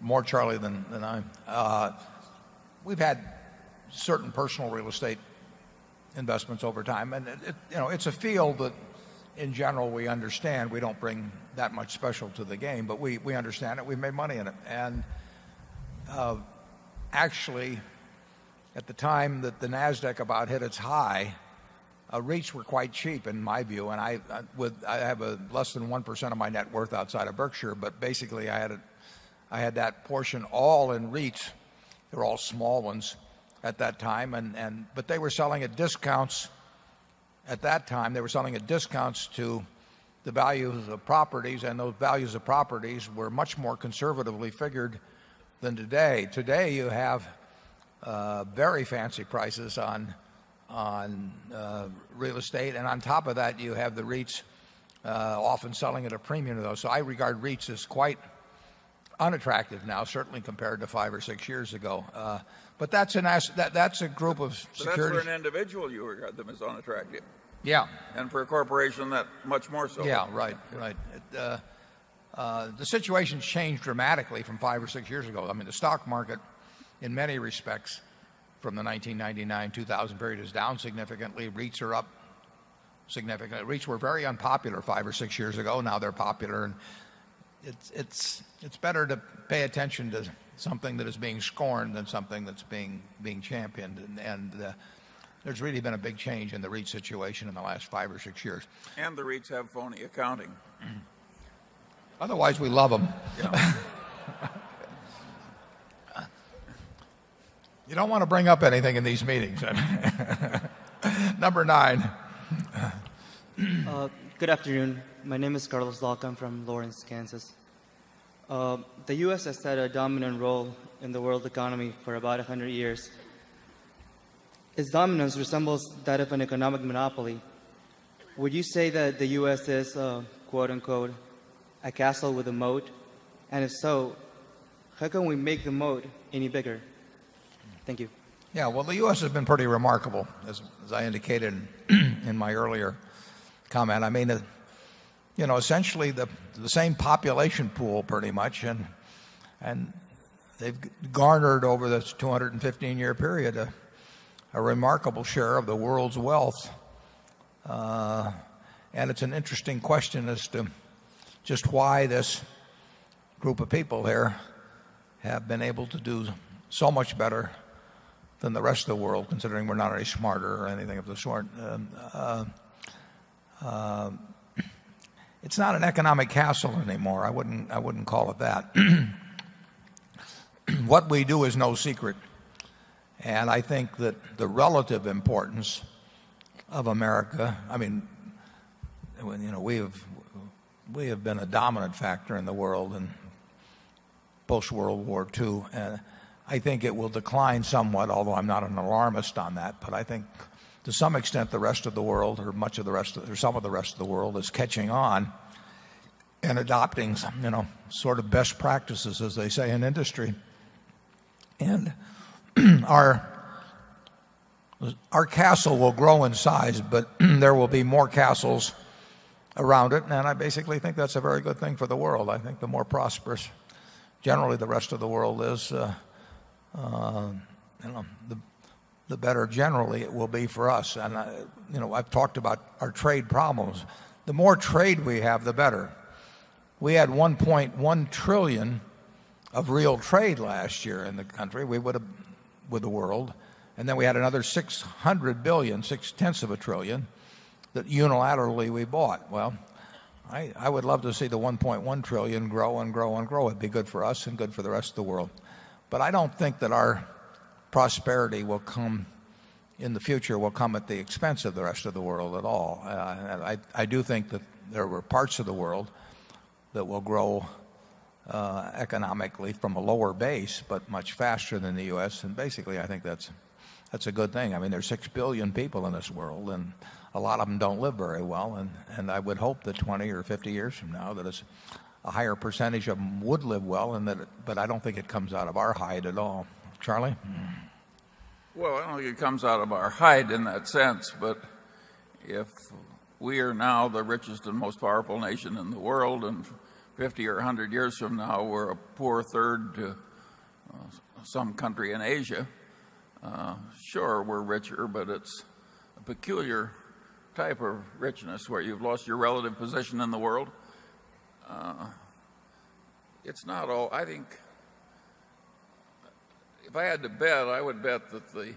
more Charlie than I we've had certain personal real estate investments over time. And it's a field that, in general we understand. We don't bring that much special to the game, but we understand it. We made money in it. And actually, at the time that the NASDAQ about hit its high, REITs were quite cheap in my view. And I would I have less than 1% of my net worth outside of Berkshire, basically, I had it I had that portion all in REITs. They're all small ones at that time. And but they were selling at discounts at that time. They were selling at discounts to the values of properties, and those values of properties were much more conservatively figured than today. Today, you have very fancy prices on real estate. And on top of that, you have the REITs often selling at a premium, though. So I regard REITs as quite unattractive now, certainly compared to 5 or 6 years ago. But that's a nice that's a group of But for an individual, you regard them as unattractive. Yeah. And for a corporation that much more so. Yeah. Right. Right. The situation has changed dramatically from 5 or 6 years ago. I mean, the stock market, in many respects, from the 1999, 2000 period is down significantly. REITs are up significantly. REITs were very unpopular 5 or 6 years ago. Now they're popular. And it's better to pay attention to something that is being scorned than something that's being championed. And there's really been a big change in the REIT situation in the last 5 or 6 years. And the REITs have phony accounting. Otherwise, we love them. You don't want to bring up anything in these meetings. Number 9. Good afternoon. My name is Carlos Lauk. I'm from Lawrence, Kansas. The U. S. Has had a dominant role in the world economy for about 100 years. Its dominance resembles that of an economic monopoly. Would you say that the US is, quote unquote, a castle with a moat? And if so, how can we make the moat any bigger? Thank you. Yeah. Well, the U. S. Has been pretty remarkable, as I indicated in my earlier comment. I mean, you know, essentially the same population pool pretty much and and they've garnered over this 215 year period a remarkable share of the world's wealth. And it's an interesting question as to just why this group of people here have been able to do so much better than the rest of the world considering we're not any smarter or anything of the sort. It's not an economic castle anymore. I wouldn't I wouldn't call it that. What we do is no secret. And I think that the relative importance of America, I mean, when you know, we have we have been a dominant factor in the world and post World War 2. I think it will decline somewhat, although I'm not an alarmist on that. But I think to some extent, the rest of the world or much of the rest or some of the rest of the world is catching on and adopting sort of best practices, as they say, in industry. And our our castle will grow in size, but there will be more castles around it. And I basically think that's a very good thing for the world. I think the more prosperous generally the rest of the world is, the better generally it will be for us. And I've talked about our trade problems. The more trade we have, the better. We had 1,100,000,000,000 of real trade last year in the country. We would have with the world. And then we had another 600,000,000,000, 6 tenths of a 1,000,000,000,000 that unilaterally we bought. Well, I I would love to see the 1.1 trillion grow and grow and grow. It'd be good for us and good for the rest of the world. But I don't think that our prosperity will come in the future will come at the expense of the rest of the world at all. And I do think that there were parts of the world that will grow economically from a lower base but much faster than the US. And basically, I think that's that's a good thing. I mean, there are 6,000,000,000 people in this world and a lot of them don't live very well. And I would hope that 20 or 50 years from now that a higher percentage of them would live well and that but I don't think it comes out of our hide at all. Charlie? Well, I don't think it comes out of our hide in that sense. But if we are now the richest and most powerful nation in the world and 50 or 100 years from now we're a poor third some country in Asia, Sure, we're richer but it's a peculiar type of richness where you've lost your relative position in the world. It's not all I think if I had to bet, I would bet that the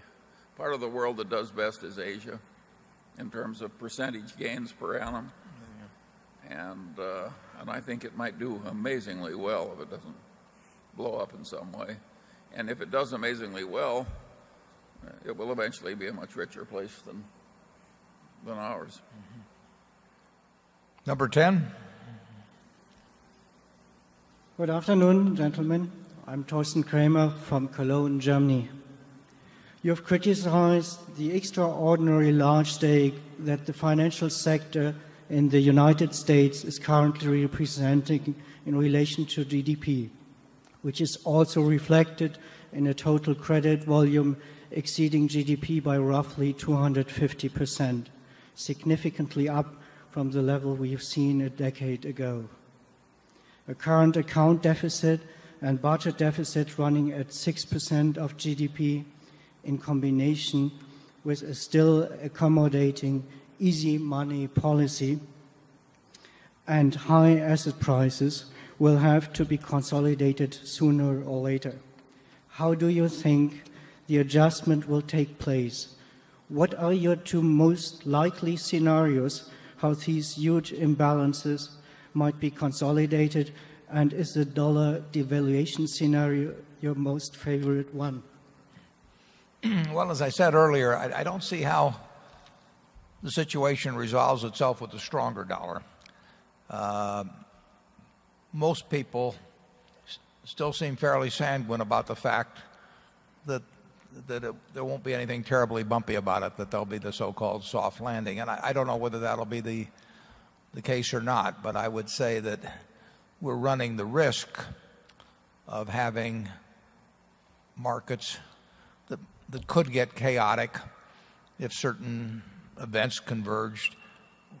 part of the world that does best is Asia in terms of percentage gains per annum. And I think it might do amazingly well if it doesn't blow up in some way. And if it does amazingly well, it will eventually be a much richer place than ours. Number 10. Good afternoon, gentlemen. I'm Thorsten Kramer from Cologne, Germany. You have criticized the extraordinary large stake that the financial sector in the United States is currently representing in relation to GDP, which is also reflected in a total credit volume exceeding GDP by roughly 2 50%, significantly up from the level we have seen a decade ago. The current account deficit and budget deficit running at 6% of GDP in combination with a still accommodating easy money policy and high asset prices will have to be consolidated sooner or later. How do you think the adjustment will take place? What are your 2 most likely scenarios how these huge imbalances might be consolidated? And is the dollar devaluation scenario your most favorite one? Well, as I said earlier, I don't see how the situation resolves itself with a stronger dollar. Most people still seem fairly sanguine about the fact that there won't be anything terribly bumpy about it, that there'll be the so called soft landing. And I don't know whether that'll be the the case or not, but I would say that we're running the risk of having markets that could get chaotic if certain events converged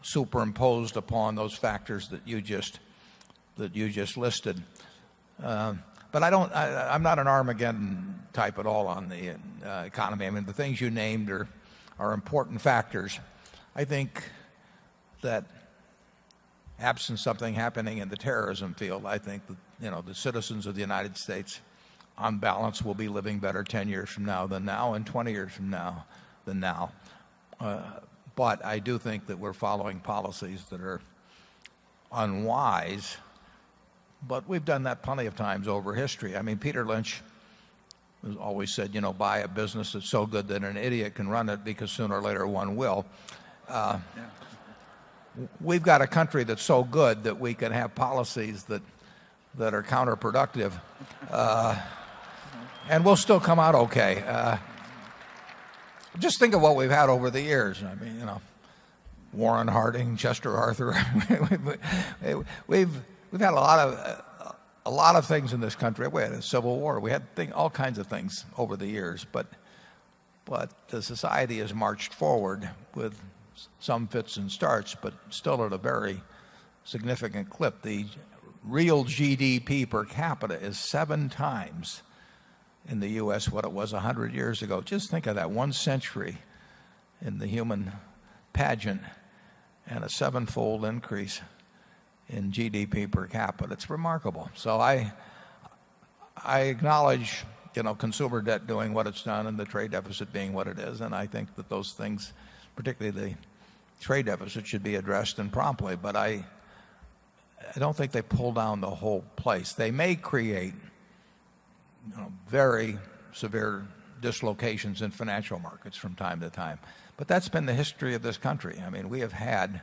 superimposed upon those factors that you just listed. But I don't I'm not an Armageddon type at all on the economy. I mean, the things you named are are important factors. I think that absent something happening in the terrorism field, I think that, you know, the citizens of the United States on balance will be living better 10 years from now than now and 20 years from now than now. But I do think that we're following policies that are unwise But we've done that plenty of times over history. I mean, Peter Lynch has always said, you know, buy a business that's so good that an idiot can run it because sooner or later one will. We've got a country that's so good that we can have policies that that are counterproductive, and we'll still come out okay. Just think of what we've had over the years. I mean, you know, Warren Harding, Chester Arthur. We've had a lot of a lot of things in this country. We had a civil war. We had all kinds of things over the years, but but the society has marched forward with some fits and starts, but still at a very significant clip. The real GDP per capita is 7 times in the US what it was a 100 years ago. Just think of that 1 century in the human pageant and a sevenfold increase in GDP per capita. It's remarkable. So I I acknowledge consumer debt doing what it's done and the trade deficit being what it is, and I think that those things, particularly the trade deficit, should be addressed and promptly, but I I don't think they pull down the whole place. They may create very severe dislocations in financial markets from time to time, but that's been the history of this country. I mean we have had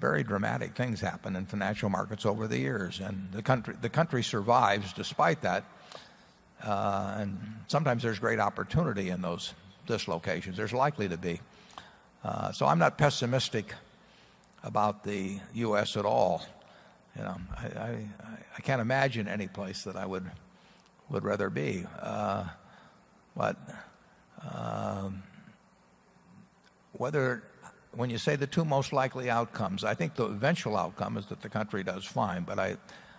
very dramatic things happen in financial markets over the years and the country the country survives despite that and sometimes there's great opportunity in those dislocations. There's likely to be. So I'm not pessimistic about the US at all. I can't imagine any place that I would rather be. But whether when you say the 2 most likely outcomes, I think the eventual outcome is that the country does fine. But I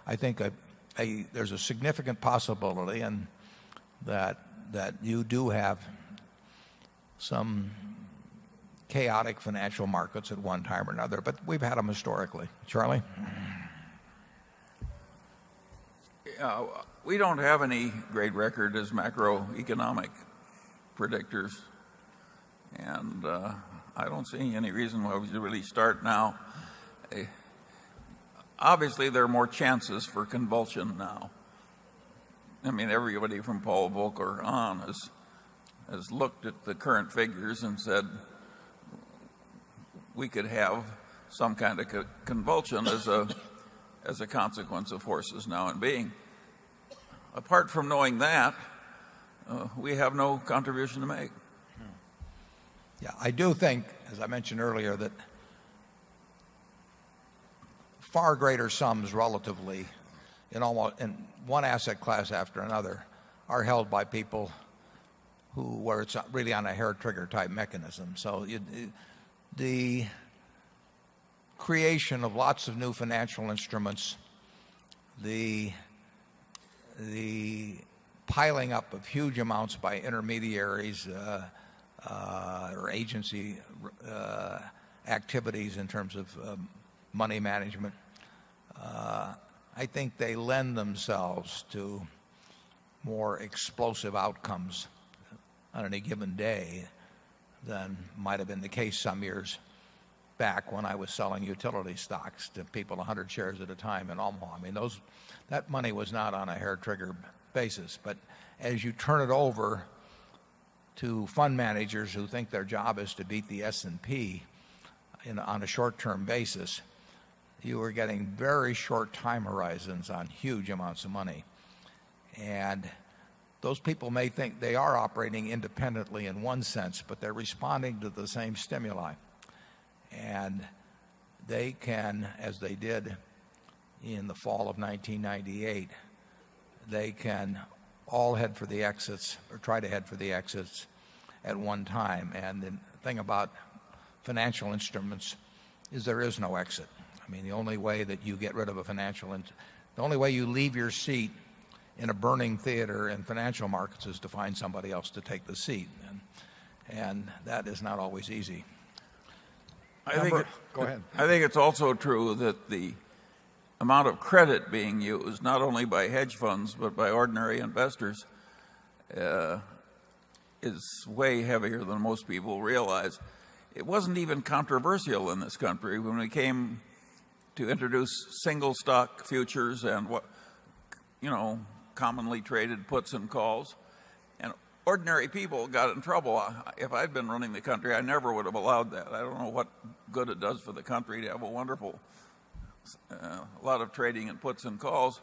I think I I there's a significant possibility in that that you do have some chaotic financial markets at one time or another, but we've had them historically. Charlie? We don't have any great record as macroeconomic predictors. And I don't see any reason why we should really start now. Obviously, there are more chances for convulsion now. I mean, everybody from Paul Volcker on has looked at the current figures and said we could have some kind of convulsion as a consequence of forces now and being. Apart from knowing that, we have no contribution to make. Yeah. I do think, as I mentioned earlier, that far greater sums relatively in all in one asset class after another are held by people who were really on a hair trigger type mechanism. So the creation of lots of new financial instruments, the piling up of huge amounts by intermediaries or agency activities in terms of money management, I think they lend themselves to more explosive outcomes on any given day than might have been the case some years back when I was selling utility stocks to people a 100 shares at a time in all. I mean, those that money was not on a hair trigger basis. But as you turn it over to fund managers who think their job is to beat the S and P in on a short term basis, you are getting very short time horizons on huge amounts of money. And those people may think they are operating independently in one sense, but they're responding to the same stimuli. And they can, as they did in the fall of 1998, they can all head for the exits or try to head for the exits at one time. And the thing about financial instruments is there is no exit. I mean, the only way that you get rid of a financial the only way you leave your seat in a burning theater in financial markets is to find somebody else to take the seat. And that is not always easy. I think go ahead. I think it's also true that the amount of credit being used not only by hedge funds but by ordinary investors is way heavier than most people realize. It wasn't even controversial in this country. When we came to introduce single stock futures and what commonly traded puts and calls. And ordinary people got in trouble. If I'd been running the country, I never would have allowed that. I don't know what good it does for the country to have a wonderful lot of trading and puts and calls.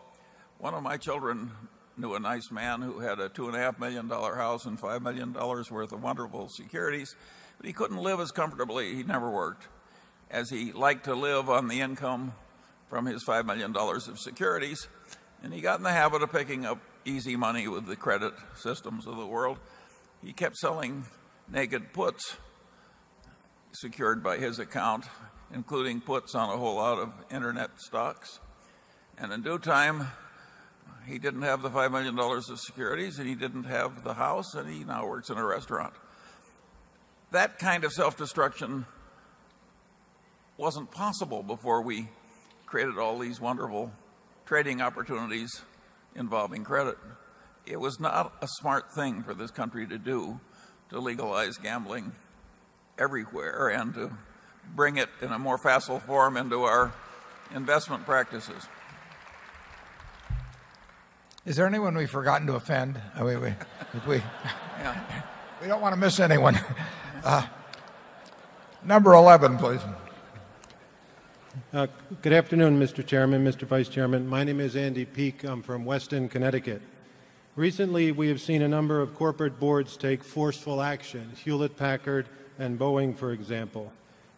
1 of my children knew a nice man who had a $2,500,000 house and $5,000,000 worth of wonderful securities, but he couldn't live as comfortably. He never worked as he liked to live on the income from his $5,000,000 of securities. And he got in the habit of picking up easy money with the credit systems of the world. He kept selling naked puts secured by his account, including puts on a whole lot of internet stocks. And in due time, he didn't have the $5,000,000 of securities and he didn't have the house and he now works in a restaurant. That kind of self destruction wasn't possible before we created all these wonderful trading opportunities involving credit. It was not a smart thing for this country to do to legalize gambling everywhere and to bring it in a more facile form into our investment practices. Is there anyone we've forgotten to offend? We don't want to miss anyone. Number 11, please. Good afternoon, Mr. Chairman, Mr. Vice Chairman. My name is Andy Peek. I'm from Weston, Connecticut. Recently, we have seen a number of corporate boards take forceful actions, Hewlett Packard and Boeing for example.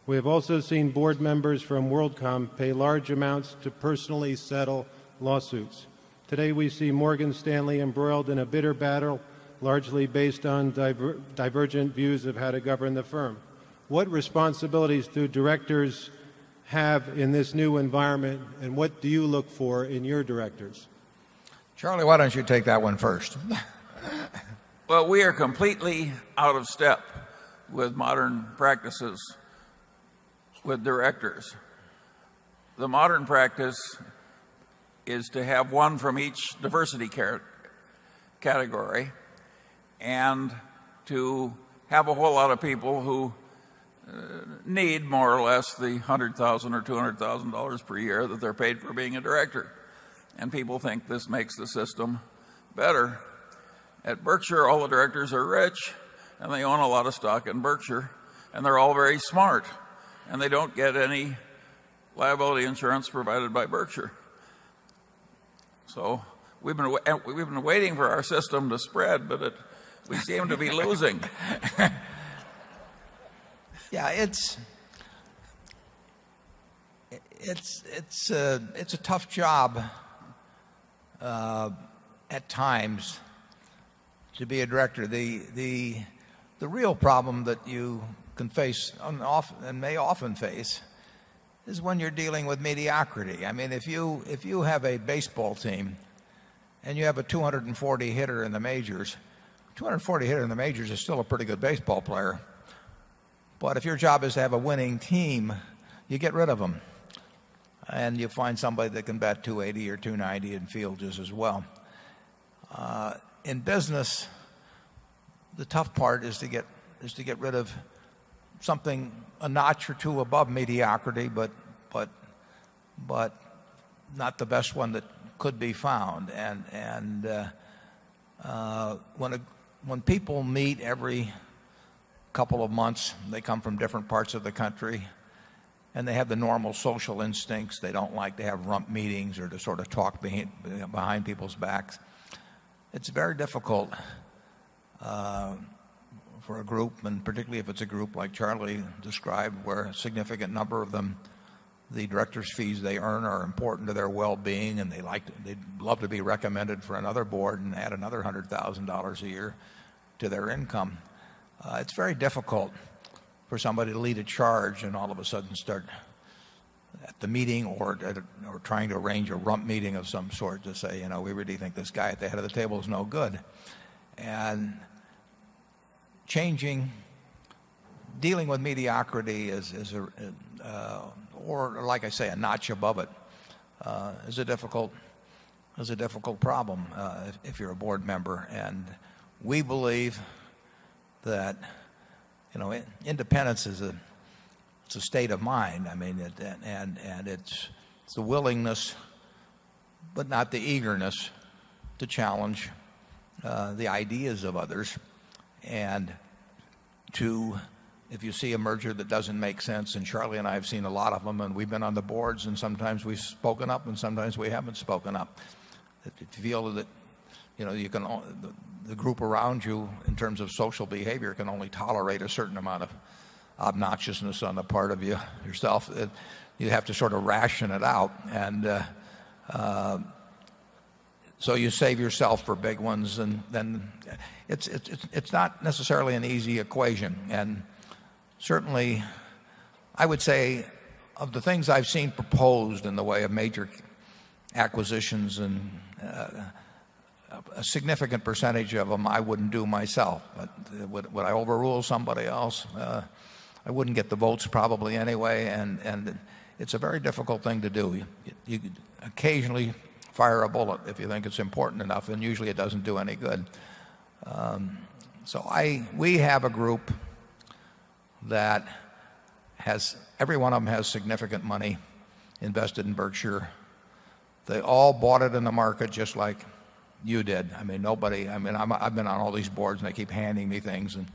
We have also seen board members from WorldCom pay large amounts to personally settle lawsuits. Today, we see Morgan Stanley embroiled in a bitter battle largely based on divergent views of how to govern the firm. What responsibilities do directors have in this new environment and what do you look for in your directors? Charlie, why don't you take that one first? Well, we are completely out of step with modern practices with directors. The modern practice is to have one from each diversity category and to have a whole lot of people who need more or less the $100,000 or $200,000 per year that they're paid for being a director. And people think this makes the system better. At Berkshire, all the directors are rich and they own a lot of stock in Berkshire and they're all very smart and they don't get any liability insurance provided by Berkshire. So we've been waiting for our system to spread but we seem to be losing. Yeah. It's it's it's a tough job at times to be a director. The the the real problem that you can face and often and may often face is when you're dealing with mediocrity. I mean if you if you have a baseball team and you have a 240 hitter in the majors, 240 hitter in the majors is still a pretty good baseball player but if your job is to have a winning team you get rid of them and you find somebody that can bet 280 or 290 in fielders as well. In business, the tough part is to get is to get rid of something a notch or 2 above mediocrity, but but but not the best one that could be found. And and, when a when people meet every couple of months, they come from different parts of the country, and they have the normal social instincts. They don't like to have rump meetings or to sort of talk behind people's backs. It's very difficult for a group and particularly if it's a group like Charlie described where a significant number of them, the directors' fees they earn are important to their well-being and they like to they'd love to be recommended for another board and add $100,000 a year to their income, it's very difficult for somebody to lead a charge and all of a sudden start at the meeting or trying to arrange a rump meeting of some sort to say, you know, we really think this guy at the head of the table is no good. And changing dealing with mediocrity is or like I say, a notch above it is a difficult is a difficult problem, if you're a board member. And we believe that, you know, independence is a state of mind. I mean, it and and it's it's a willingness but not the eagerness to challenge the ideas of others. And to if you see a merger that doesn't make sense and Charlie and I have seen a lot of them and we've been on the boards and sometimes we've spoken up and sometimes we haven't spoken up. To be able to the group around you in terms of social behavior can only tolerate a certain amount of obnoxiousness on the part of you yourself. You have to sort of ration it out. And so you save yourself for big ones and then it's not necessarily an easy equation. And certainly I would say of the things I've seen proposed in the way of major acquisitions and a significant percentage of them I wouldn't do myself. Would I overrule somebody else? I wouldn't get the votes probably anyway. And and it's a very difficult thing to do. You occasionally fire a bullet if you think it's important enough and usually it doesn't do any good. So I we have a group that has every one of them has significant money invested in Berkshire. They all bought it in the market just like you did. I mean nobody I mean I've been on all these boards and they keep handing me things and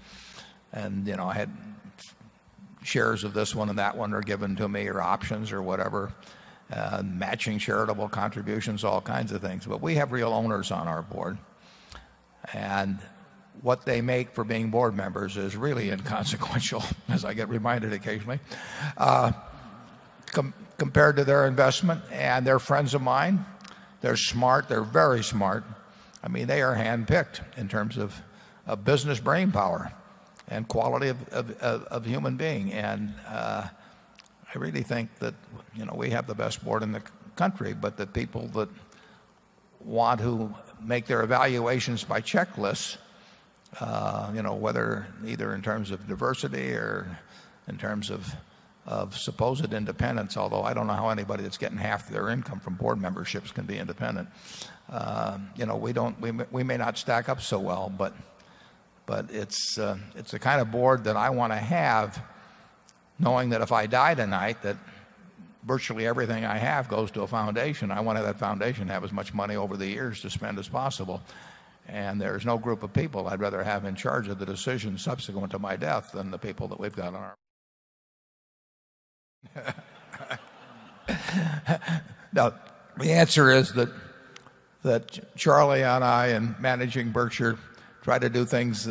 and you know I had shares of this one and that one are given to me or options or whatever, matching charitable contributions, all kinds of things. But we have real owners on our Board. And what they make for being Board members is really inconsequential, as I get reminded occasionally, Compared to their investment and they're friends of mine, they're smart, they're very smart. I mean they are handpicked in terms of business brainpower and quality of human being. And I really think that, you know, we have the best board in the country, but the people that want who make their evaluations by checklists, you know, whether either in terms of diversity or in terms of supposed independence, although I don't know how anybody that's getting half their income from Board memberships can be independent. You know, we don't we may not stack up so well, but it's the kind of Board that I want to have, knowing that if I die tonight that virtually everything I have goes to a foundation. I want to have that foundation have as much money over the years to spend as possible. And there is no group of people I'd rather have in charge of the decision subsequent to my death than the people that we've got on our arm. Now the answer is that Charlie and I and managing Berkshire try to do things,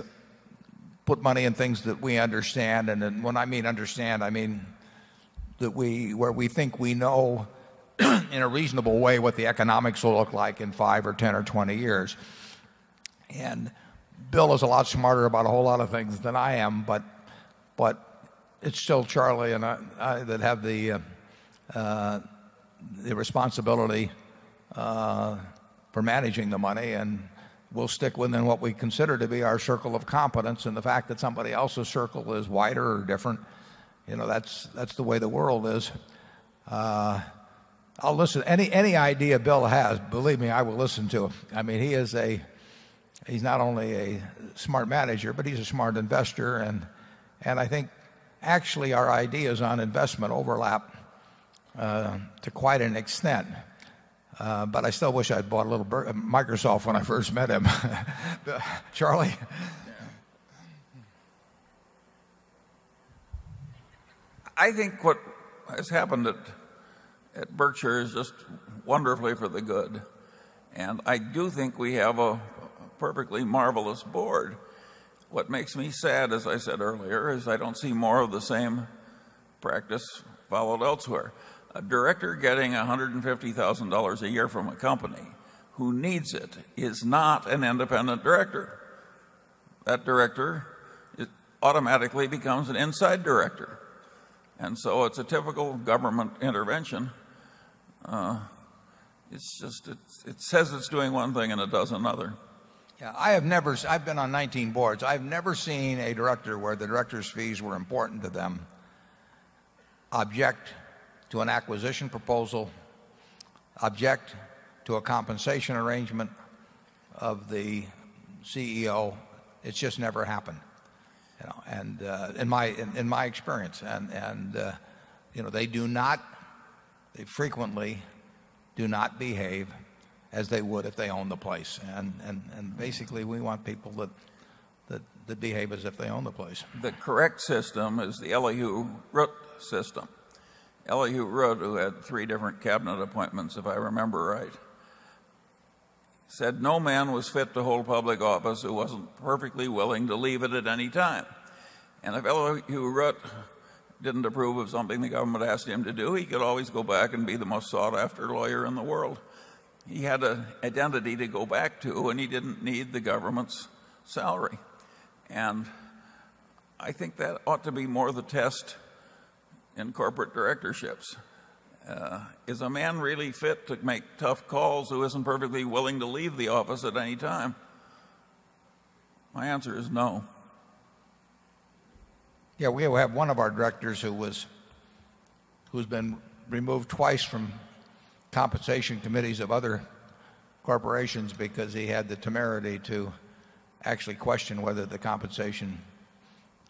put money in things that we understand. And when I mean understand, I mean that we where we think we know in a reasonable way what the economics will look like in 5 or 10 or 20 years. And Bill is a lot smarter about a whole lot of things than I am, but but it's still Charlie and I that have the responsibility for managing the money and we'll stick within what we consider to be our circle of competence. And the fact that somebody else's circle is wider or different, that's the way the world is. I'll listen. Any idea Bill has, believe me, I will listen to him. I mean, he is a he's not only a smart manager, but he's a smart investor. And I think actually our ideas on investment overlap to quite an extent. But I still wish I'd bought a little Microsoft when I first met him. Charlie? I think what has happened at Berkshire is just wonderfully for the good. And I do think we have a perfectly marvelous Board. What makes me sad, as I said earlier, is I don't see more of the same practice followed elsewhere. A director getting $150,000 a year from a company who needs it is not an independent director. That director automatically becomes an inside director. And so it's a typical government intervention. It's just it says it's doing one thing and it does another. Yeah. I have never I've been on 19 boards. I've never seen a director where the director's fees were important to them object to an acquisition proposal, object to a compensation arrangement of the CEO. It's just never happened. And in my experience and they do not they frequently do not behave as they would if they own the place. And basically, we want people that behave as if they own the place. The correct system is the LAU Root system. LAU Root who had 3 different cabinet appointments if I remember right, said no man was fit to hold public office who wasn't perfectly willing to leave it at any time. And if Elihu Rutt didn't approve of something the government asked him to do, he could always go back and be the most sought after lawyer in the world. He had an identity to go back to and he didn't need the government's salary. And I think that ought to be more the test in corporate directorships. Is a man really fit to make tough calls who isn't perfectly willing to leave the office at any time? My answer is no. Yeah. We have one of our directors who was who's been removed twice from compensation committees of other corporations because he had the temerity to actually question whether the compensation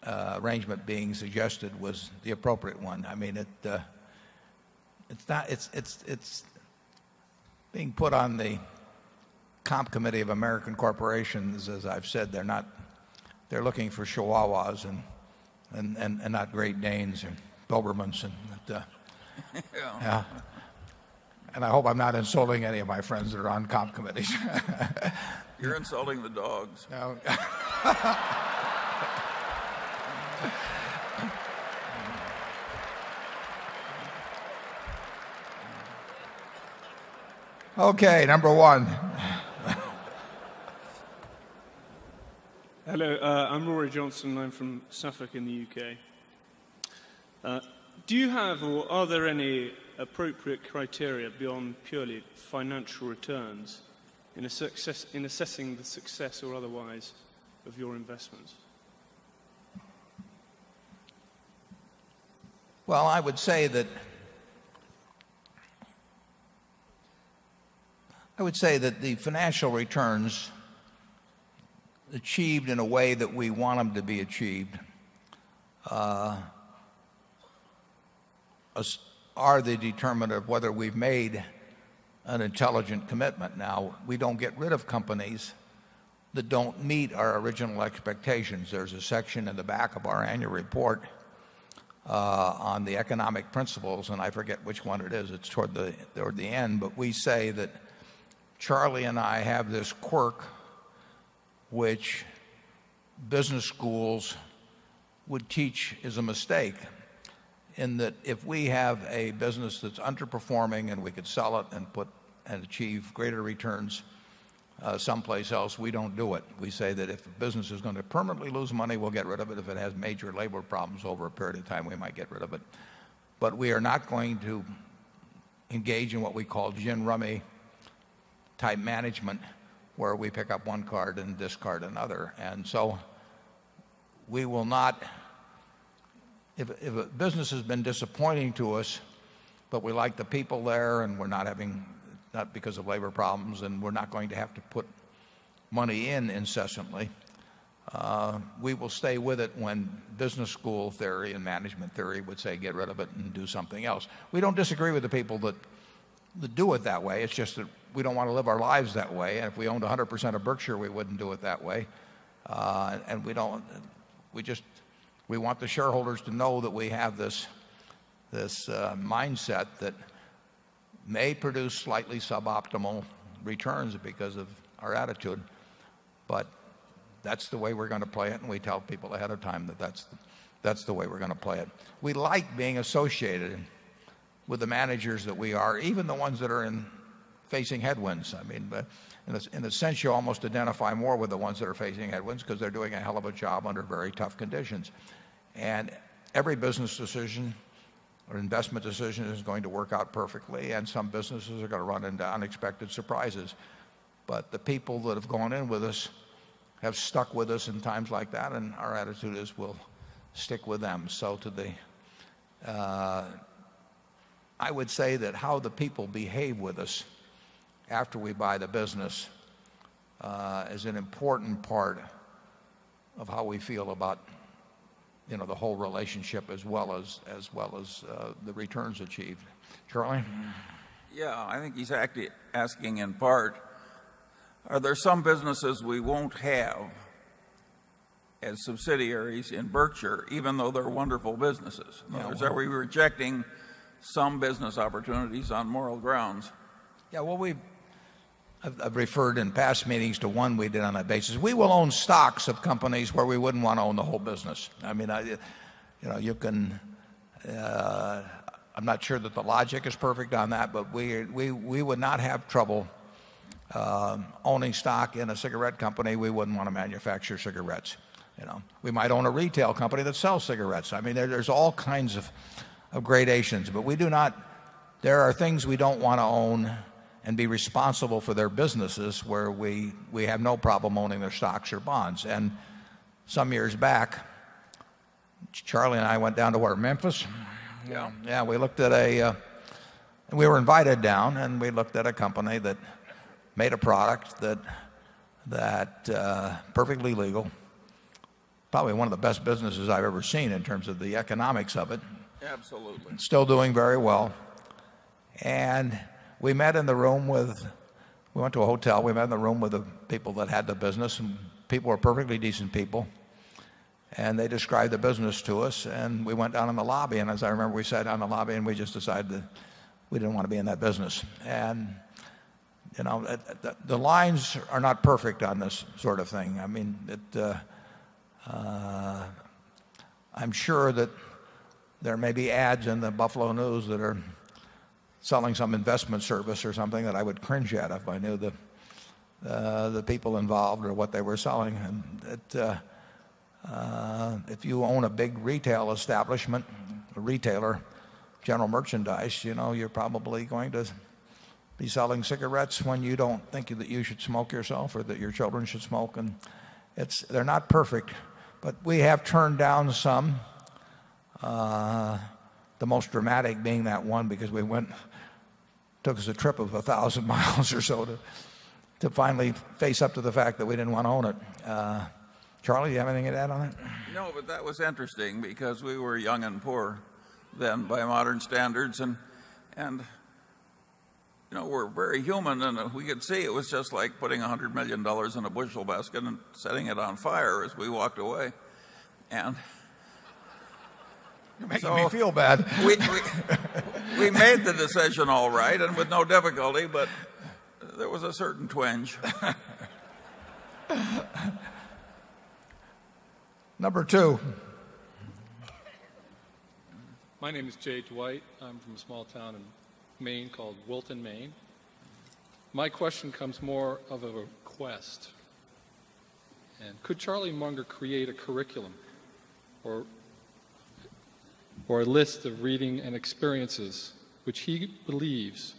arrangement being suggested was the appropriate one. I mean, it's not it's being put on the Comp Committee of American Corporations. As I've said, they're not they're looking for chihuahuas and and and not Great Danes and Bilbermans and and I hope I'm not insulting any of my friends that are on comm committees. You're insulting the dogs. Okay. Number 1. Hello. I'm Rory Johnson. I'm from Suffolk in the U. K. Do you have or are there any appropriate criteria beyond purely financial returns in assessing the success or otherwise of your investments? Well, I would say that the financial returns achieved in a way that we want them to be achieved are the determinant of whether we've made an intelligent commitment. Now we don't get rid of companies that don't meet our original expectations. There's a section in the back of our annual report on the economic principles, and I forget which one it is. It's toward the end. But we say that Charlie and I have this quirk which business schools would teach is a mistake. And that if we have a business that's underperforming and we could sell it and put and achieve greater returns someplace else, we don't do it. We say that if a business is going to permanently lose money, we'll get rid of it. If it has major labor problems over a period of time, we might rid of it. But we are not going to engage in what we call gin rummy type management, where we pick up one card and discard another. And so we will not if a business has been disappointing to us, but we like the people there and we're not having not because of labor problems and we're not going to have to put money in incessantly, We will stay with it when business school theory and management theory would say get rid of it and do something else. We don't disagree with the people that that do it that way. It's just that we don't want to live our lives that way. And if we owned 100% of Berkshire, we wouldn't do it that way. And we don't we just we want the shareholders to know that we have this mindset that may produce slightly suboptimal returns because of our attitude, but that's the way we're going to play it. And we tell people ahead of time that that's the way we're going to play it. We like being associated with the managers that we are, even the ones that are facing headwinds. I mean, in a sense, you almost identify more with the ones that are facing headwinds because they're doing a hell a job under very tough conditions. And every business decision or investment decision is going to work out perfectly, and some businesses are going to run into unexpected surprises. Today I would say that how the people behave with us after we buy the business as an important part of how we feel about the whole relationship as well as the returns achieved. Charlie? Yes. I think he's asking in part, are there some businesses we won't have as subsidiaries in Berkshire even though they're wonderful businesses? Or is that we're rejecting some business opportunities on moral grounds? Yeah. Well, we've referred in past meetings to one we did on a basis. We will own stocks of companies where we wouldn't want to own the whole business. I mean, you know, you can, I'm not sure that the logic is perfect on that, but we would not have trouble owning stock in a cigarette company. We wouldn't want to manufacture cigarettes. We might own a retail company that sells cigarettes. I mean, there's all kinds of gradations. But we do not there are things we don't want to own and be responsible for their businesses where we have no problem owning their stocks or bonds. And some years back, Charlie and I went down to Warner Memphis. Yeah. Yeah. We looked at a we were invited down and we looked at a company that made a product that that, perfectly legal. Probably one of the best businesses I've ever seen in terms of the economics of it. Absolutely. Still doing very well. And we met in the room with we went to a hotel. We met in the room with the people that had the business. And people were perfectly decent people. And they described the business to us. And we went down in the lobby. And as I remember, we sat down in the lobby and we just decided that we didn't want to be in that business. And, you know, the lines are not perfect on this sort of thing. I mean, it, I'm sure that there may be ads in the Buffalo News that are selling some investment service or something that I would cringe at if I knew the people involved or what they were selling. And if you own a big retail establishment, a retailer, general merchandise, you know, you're probably going to be selling cigarettes when you don't think that you should smoke yourself or that your children should smoke. And it's they're not perfect. But we have turned down some, the most dramatic being that one because we went took us a trip of 1,000 miles or so to finally face up to the fact that we didn't want to own it. Charlie, do you have anything to add on it? No. But that was interesting because we were young and poor then by modern standards. And we're very human and we could see it was just like putting $100,000,000 in a bushel basket and setting it on fire as we walked away. And so You made me feel bad. We made the decision all right and with no difficulty, but there was a certain twinge. Number 2. My name is Jay Dwight. I'm from a small town in Maine called Wilton, Maine. My question comes more of a request. And could Charlie Munger create a curriculum or or a list of reading and experiences, which he believes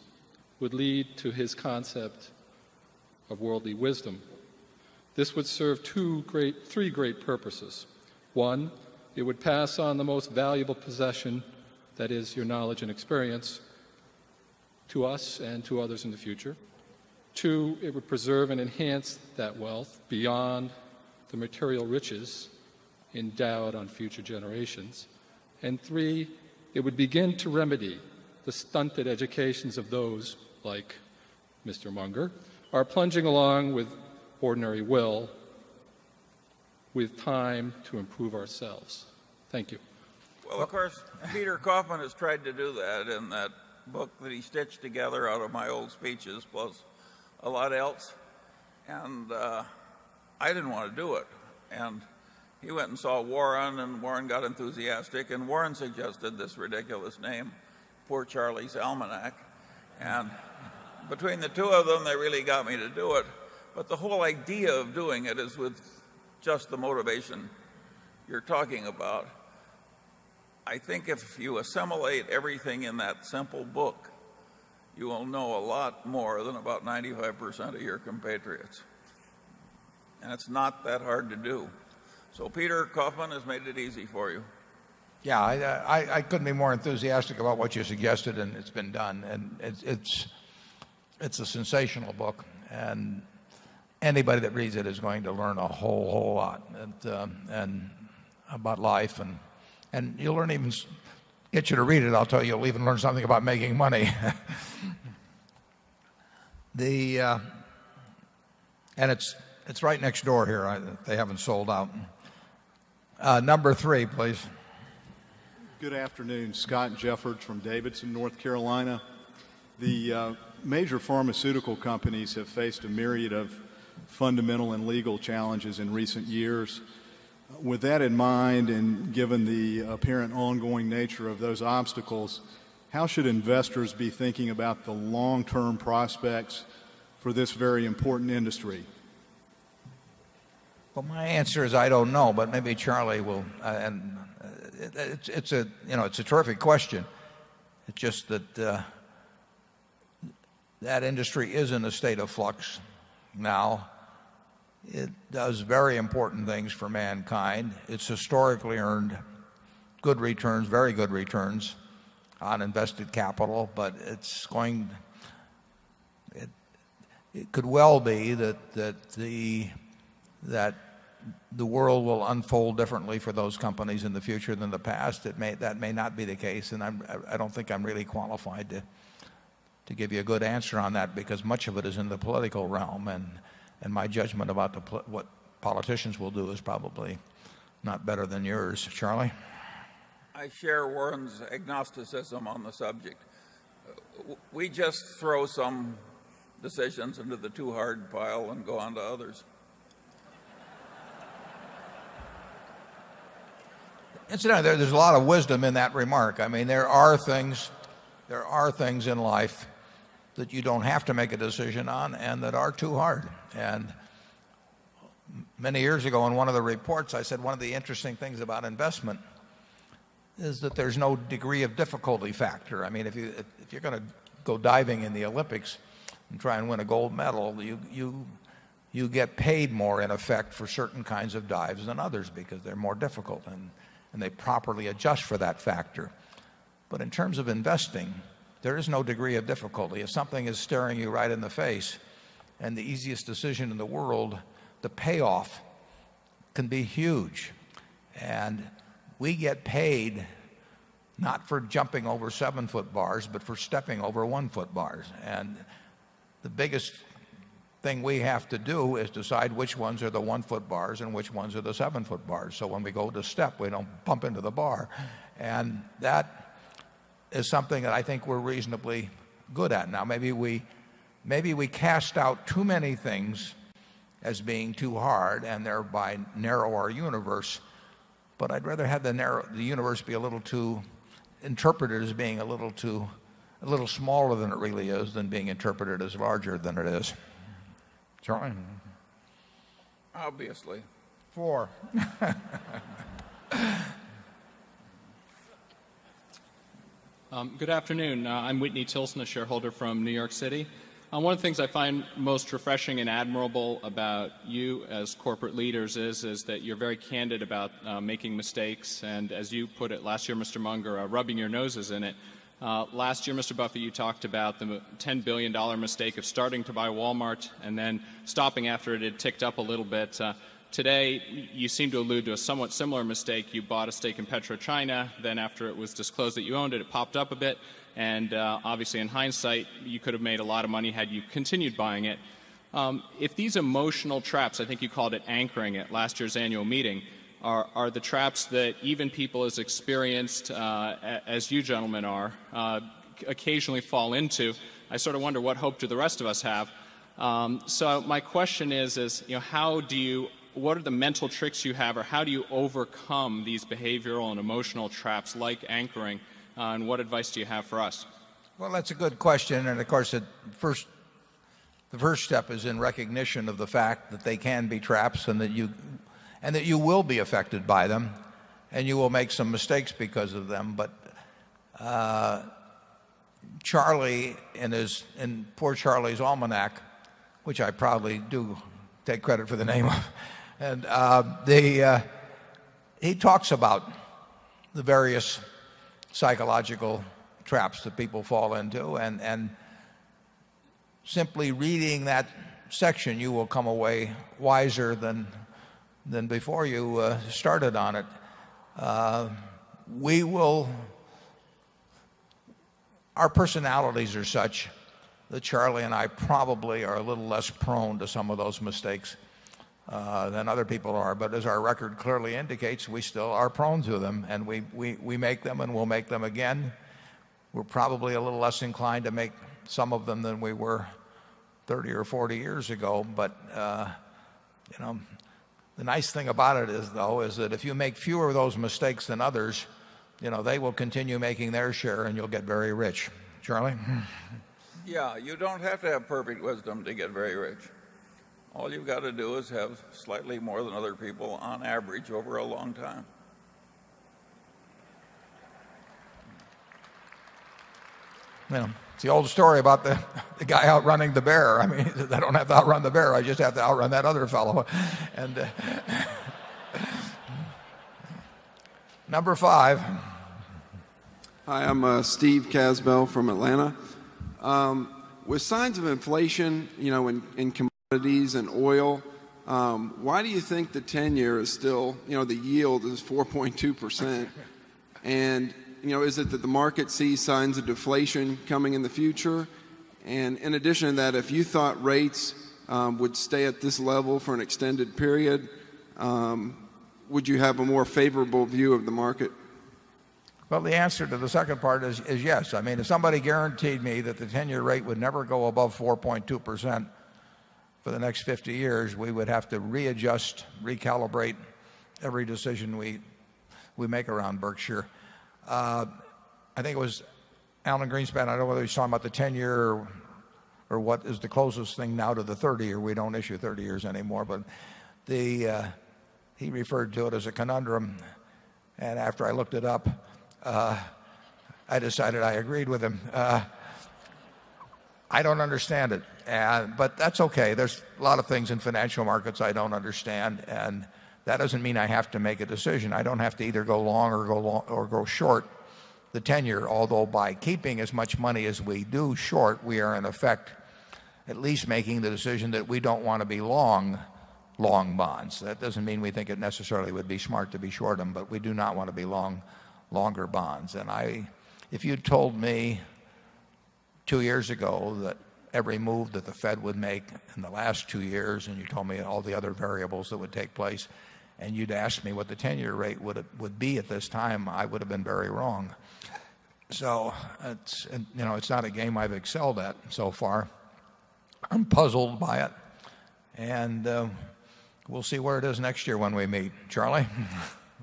would lead to his concept of worldly wisdom. This would serve 3 great purposes. 1, it would pass on the most valuable possession that is your knowledge and experience to us and to others in the future. 2, it would preserve and enhance that wealth beyond the material riches endowed on future generations. And 3, it would begin to remedy the stunted educations of those like Mr. Munger are plunging along with ordinary will with time to improve ourselves? Thank you. Well, of course, Peter Kaufmann has tried to do that in that book that he stitched together out of my old speeches was a lot else. And I didn't want to do it. And he went and saw Warren and Warren got enthusiastic and Warren suggested this ridiculous name, Poor Charlie's Almanac. And between the 2 of them, they really got me to do it. But the whole idea of doing it is with just the motivation you're talking about. I think if you assimilate everything in that simple book, you will know a lot more than about 95% of your compatriots. And it's not that hard to do. So Peter Kaufmann has made it easy for you. Yeah. I couldn't be more enthusiastic about what you suggested, and it's been done. And it's a sensational book. And anybody that reads it is going to learn a whole, whole lot and and about life. And And you'll learn even get you to read it. I'll tell you, you'll even learn something about making money. The and it's right next door here. They haven't sold out. Number 3, please. Good afternoon. Scott Jeffords from Davidson, North Carolina. The major pharmaceutical companies have faced a myriad of fundamental and legal challenges in recent years. With that in mind and given the apparent ongoing nature of those obstacles, how should investors be thinking about the long term prospects for this very important industry? Well, my answer is I don't know, but maybe Charlie will and it's a terrific question. It's just that that industry is in a state of flux. Now it does very important things for mankind. It's historically earned good returns, very good returns on invested capital, but it's going it could well be that the world will unfold differently for those companies in the future than the past. It may that may not be the case. And I don't think I'm really qualified to to give you a good answer on that because much of it is in the political realm. And and my judgment about the politicians will do is probably not better than yours. Charlie? I share Warren's agnosticism on the subject. We just throw some decisions into the too hard pile and go on to others. And so now there's a lot of wisdom in that remark. I mean, there are things there are things in life that you don't have to make a decision on and that are too hard. And many years ago, in one of the reports, I said one of the interesting things about investment is that there's no degree of difficulty factor. I mean, if you're going to go diving in the Olympics and try and win a gold medal, you you get paid more in effect for certain kinds of dives than others because they're more difficult and and they properly adjust for that factor. But in terms of investing, there is no degree of difficulty. If something is staring you right in the face and the easiest decision in the world, the payoff can be huge. And we get paid not for jumping over 7 foot bars, but for stepping over 1 foot bars. And the biggest thing we have to do is decide which ones are the 1 foot bars and which ones are the 7 foot bars. So when we go to step, we don't pump into the bar. And that is something that I think we're reasonably good at. Now maybe we cast out too many things as being too hard and thereby narrow our universe. But I'd rather have the narrow the universe be a little too interpreted as being a little too a little smaller than it really is than being interpreted as larger than it is? John. Obviously. 4. Good afternoon. I'm Whitney Tilson, a shareholder from New York City. One of the things I find most refreshing and admirable about you as corporate leaders is, is that you're very candid about making mistakes. And as you put it last year, Mr. Munger, rubbing your noses in it. Last year, Mr. Buffet, you talked about the $10,000,000,000 mistake of starting to buy Walmart and then stopping after it had ticked up a little bit. Today, you seem to allude to a somewhat similar mistake. You bought a stake in China. Then after it was disclosed that you owned it, it popped up a bit. And obviously, in hindsight, you could have made a lot of money had you continued buying it. If these emotional traps, I think you called it anchoring at last year's annual meeting, are the traps that even people as experienced as you gentlemen are, occasionally fall into, I sort of wonder what hope do the rest of us have. So my question is, is, you know, how do you what are the mental tricks you have or how do you overcome these behavioral and emotional traps like anchoring? And what advice do you have for us? Well, that's a good question. And of course, the first step is in recognition of the fact that they can be traps and that you will be affected by them. And you will make some mistakes because of them. But, Charlie and his and poor Charlie's almanac, which I probably do take credit for the name of. And, they, he talks about the various psychological traps that people fall into. And and simply reading that section, you will come away wiser than than before you started on it. We will our personalities are such that Charlie and I probably are a little less prone to some of those mistakes than other people are. But as our record clearly indicates, we still are prone to them. And we make them and we'll make them again. We're probably a little less inclined to make some of them than we were 30 or 40 years ago. But the nice thing about it is though is that if you make fewer of those mistakes than others, they will continue making their share and you'll get very rich. Charlie? Yes, you don't have to have perfect wisdom to get very rich. All you've got to do is have slightly more than other people on average over a long time. It's the old story about the guy outrunning the bear. I mean, I don't have to outrun the bear. I just have to outrun that other fellow. And these and oil, why do you think the tenure is still the yield is 4.2% And is it that the market sees signs of deflation coming in the future? And in addition to that, if you thought rates would stay at this level for an extended period, would you have a more favorable view of the market? Well the answer to the second part is yes. I mean if somebody guaranteed me that the 10 year rate would never go above 4.2% for the next 50 years. We would have to readjust, recalibrate every decision we make around Berkshire. I think it was Alan Greenspan. I don't know whether you saw him at the 10 year or what is the closest thing now to the 30 year. We don't issue 30 years anymore. But the he referred to it as a conundrum. And after I looked it up, I decided I agreed with him. I don't understand it. But that's okay. There's a lot of things in financial markets I don't understand. And that doesn't mean I have to make a decision. I don't have to either go long or go short the tenure. Although by keeping as much money as we do short, we are in effect at least making the decision that we don't want to be long, long bonds. That doesn't mean we think it necessarily would be smart to be short them, but we do not want to be long, longer bonds. And I if you told me 2 years ago that every move that the Fed would make in the last 2 years and you told me all the other variables that would take place and you'd asked me what the 10 year rate would be at this time, I would have been very wrong. So it's not a game I've excelled at so far. I'm puzzled by it. And we'll see where it is next year when we meet. Charlie?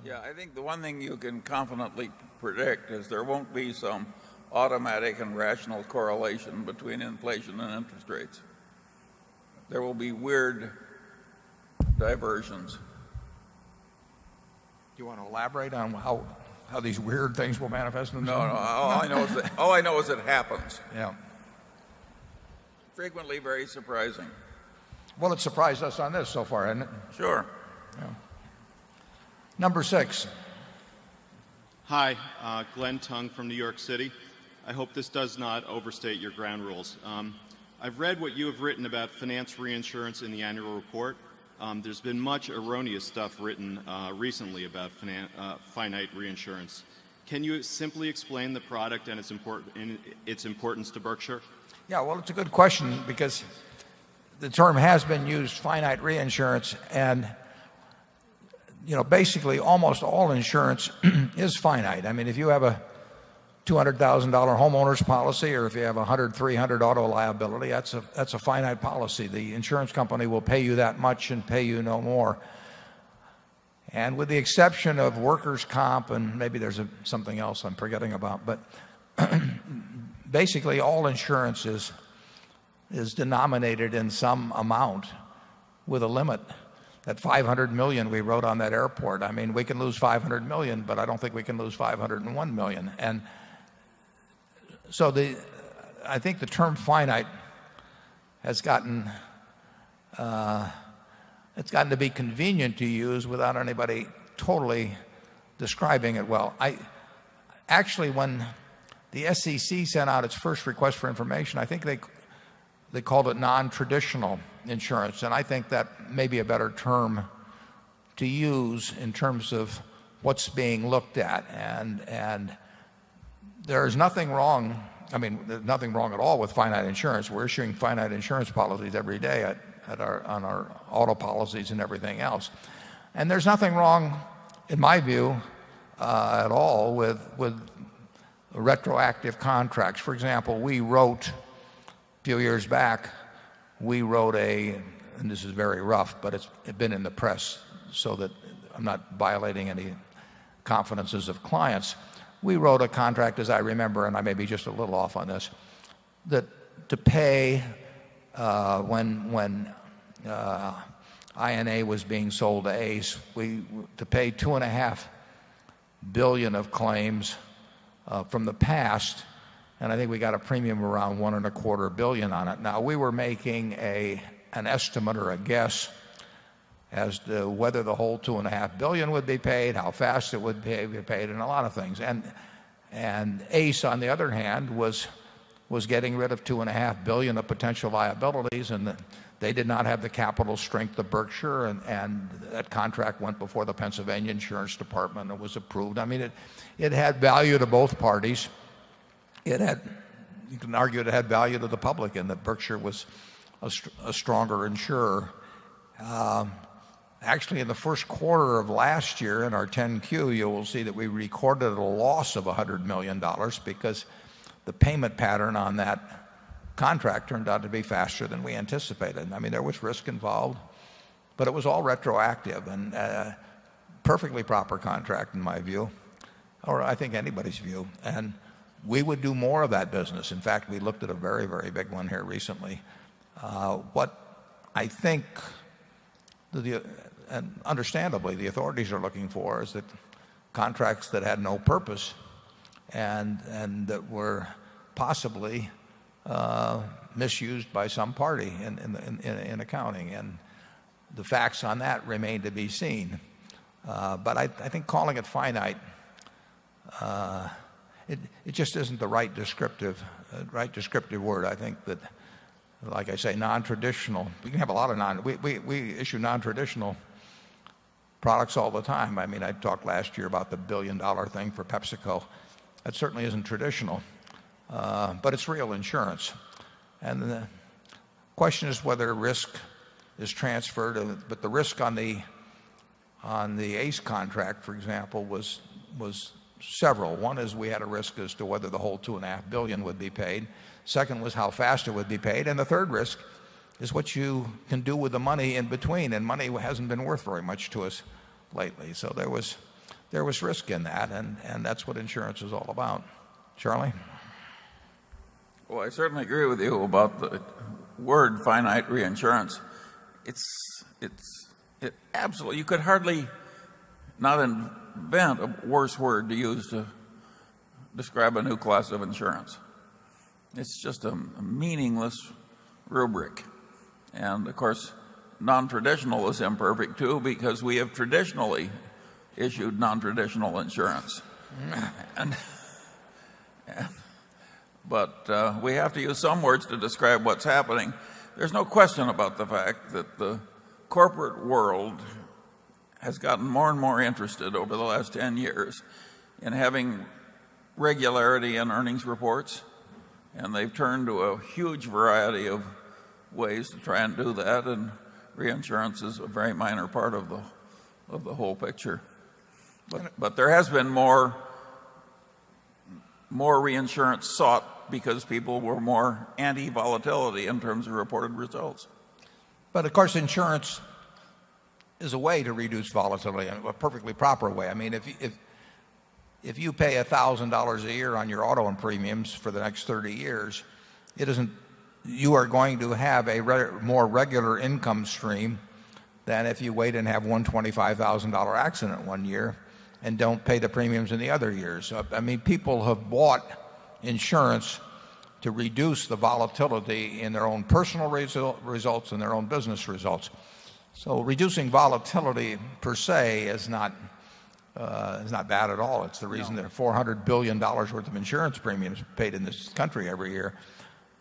Yeah. I think the one thing you can confidently predict is there won't be some automatic and rational correlation between inflation and interest rates. There will be weird diversions. Do you want to elaborate on how how these weird things will manifest in the future? No. All I know is that all I know is it happens. Yeah. Frequently very surprising. Well, it surprised us on this so far, isn't it? Sure. Number 6. Hi. Glenn Tung from New York City. I hope this does not overstate your ground rules. I've read what you have written about finance reinsurance in the annual report. There's been much erroneous stuff written recently about finite reinsurance. Can you simply explain the product and its importance to Berkshire? Yes. Well, it's a good question because the term has been used finite reinsurance and basically almost all insurance is finite. I mean, if you have a $200,000 homeowners policy or if you have 100, 300 auto liability, that's a finite policy. The insurance company will pay you that much and pay you no more. And with the exception of workers' comp, and maybe there's something else I'm forgetting about, but basically all insurance is denominated in some amount with a limit. That 500,000,000 we rode on that airport. I mean we can lose 500,000,000 but I don't think we can lose 501,000,000. And so the I think the term finite has gotten, it's gotten to be convenient to use without anybody totally describing it well. I actually when the SEC sent out its first request for information, I think they called it non traditional insurance. And I think that may be a better term to use in terms of what's being looked at. And there is nothing wrong, I mean, nothing wrong at all with finite insurance. We're issuing finite insurance policies every day on our auto policies and everything else. And there's nothing wrong, in my view, at all with retroactive contracts. For example, we wrote, a few years back, we wrote a, and this is very rough, but it's been in the press so that I'm not violating any confidences of clients. We wrote a contract as I remember and I may be just a little off on this, that to pay when when INA was being sold to ACE, we to pay 2a half 1,000,000,000 of claims from the past. And I think we got a premium around 1 and a quarter 1,000,000,000 on it. Now we were making a an estimate or a guess as to whether the whole $2,500,000,000 would be paid, how fast it would be paid and a lot of things. And ACE, on the other hand, was getting rid of 2,500,000,000 of potential liabilities and they did not have the capital strength of Berkshire. That contract went before the Pennsylvania insurance department and was approved. I mean it it had value to both parties. It had, you can argue it had value to the public and that Berkshire was a stronger insurer. Actually in the Q1 of last year in our 10 Q, you will see that we recorded a loss of $100,000,000 because the payment pattern on that contract turned out to be faster than we anticipated. I mean, there was risk involved, but it was all retroactive and perfectly proper contract in my view, or I think anybody's view. And we would do more of that business. In fact, we looked at a very, very big one here recently. What I think and understandably, the authorities are looking for is that contracts that had no purpose and that were possibly misused by some party in accounting. And the facts on that remain to be seen. But I think calling it finite, it just isn't the right descriptive word. I think that, like I say, nontraditional, we have a lot of non we issue nontraditional products all the time. I mean, I talked last year about the $1,000,000,000 thing for PepsiCo. That certainly isn't traditional, but it's real insurance. And the question is whether risk is transferred, but the risk on the ACE contract, for example, was several. One is we had a risk as to whether the whole 2 point $5,000,000,000 would be paid. 2nd was how fast it would be paid. And the 3rd risk is what you can do with the money in between and money hasn't been worth very much to us lately. So there was risk in that and that's what insurance is all about. Charlie? Well, I certainly agree with you about the word finite reinsurance. It's absolutely, you could hardly not invent a worse word to use to describe a new class of insurance. It's just a meaningless rubric. And of course non traditional is imperfect too because we have traditionally issued non traditional insurance. But we have to use some words to describe what's happening. There's no question about the fact that the corporate world has gotten more and more interested over the last 10 years in having regularity in earnings reports and they've turned to a huge variety of ways to try and do that and reinsurance is a very minor part of the whole picture. But there has been more, more reinsurance sought because people were more anti volatility in terms of reported results. But of course insurance is a way to reduce volatility, a perfectly proper way. I mean if you pay $1,000 a year on your auto and premiums for the next 30 years, it isn't you are going to have a more regular income stream than if you wait and have $125,000 accident 1 year and don't pay the premiums in the other years. I mean people have bought insurance to reduce the volatility in their own personal results and their own business results. So reducing volatility per se is not is not bad at all. It's the reason there are $400,000,000,000 worth of insurance premiums paid in this country every year.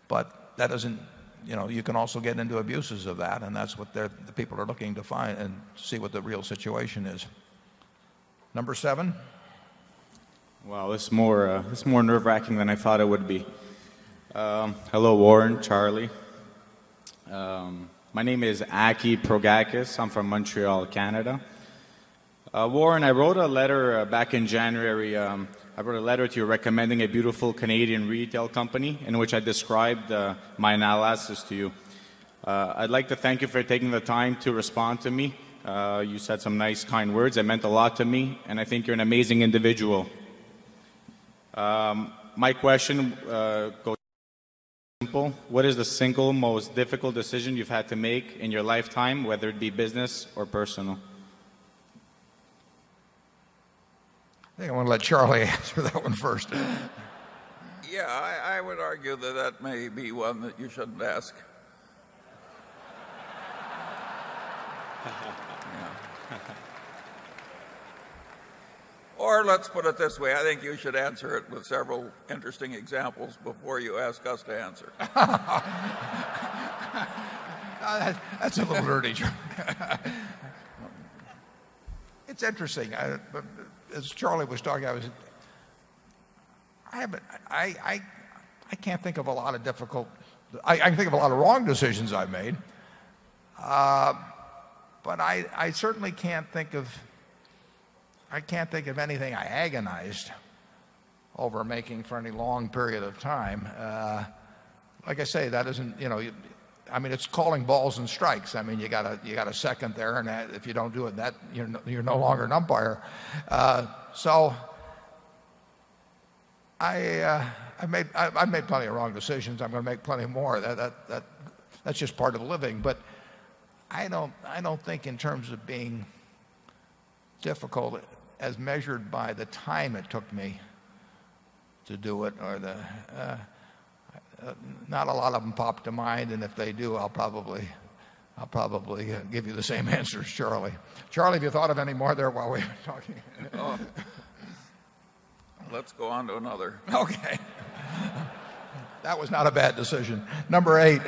But that doesn't, you know, you can also get into abuses of that and that's what the people are looking to find and see what the real situation is. Number 7. Well, it's more it's more nerve wracking than I thought it would be. Hello Warren, Charlie. My name is Aki Progakis. I'm from Montreal, Canada. Warren, I wrote a letter back in January. I wrote a letter to you recommending a beautiful Canadian retail company in which I described my analysis to you. I'd like to thank you for taking the time to respond to me. You said some nice kind words. It meant a lot to me. And I think you're an amazing individual. My question goes simple. What is the single most difficult decision you've had to make in your lifetime whether it be business or personal? I want to let Charlie answer that one first. Yeah, I would argue that that may be one that you shouldn't ask. Or let's put it this way, I think you should answer it with several interesting examples before you ask us to answer. That's a little nerdy John. It's interesting. As Charlie was talking, I was I can't think of a lot of difficult I can think of a lot of wrong decisions I've made. But I certainly can't think of anything I agonized over making for any long period of time. Like I say, that isn't I mean, it's calling balls and strikes. I mean, you got a second there. And if you don't do it, that you're no longer an umpire. So I made plenty of wrong decisions. I'm going to make plenty more. That's just part of the living. But I don't think in terms of being difficult, as measured by the time it took me to do it or the not a lot of them pop to mind. And if they do, I'll probably I'll probably give you the same answers, Charlie. Charlie, if you thought of any more there while we were talking. Let's go on to another. Okay. That was not a bad decision. Number 8.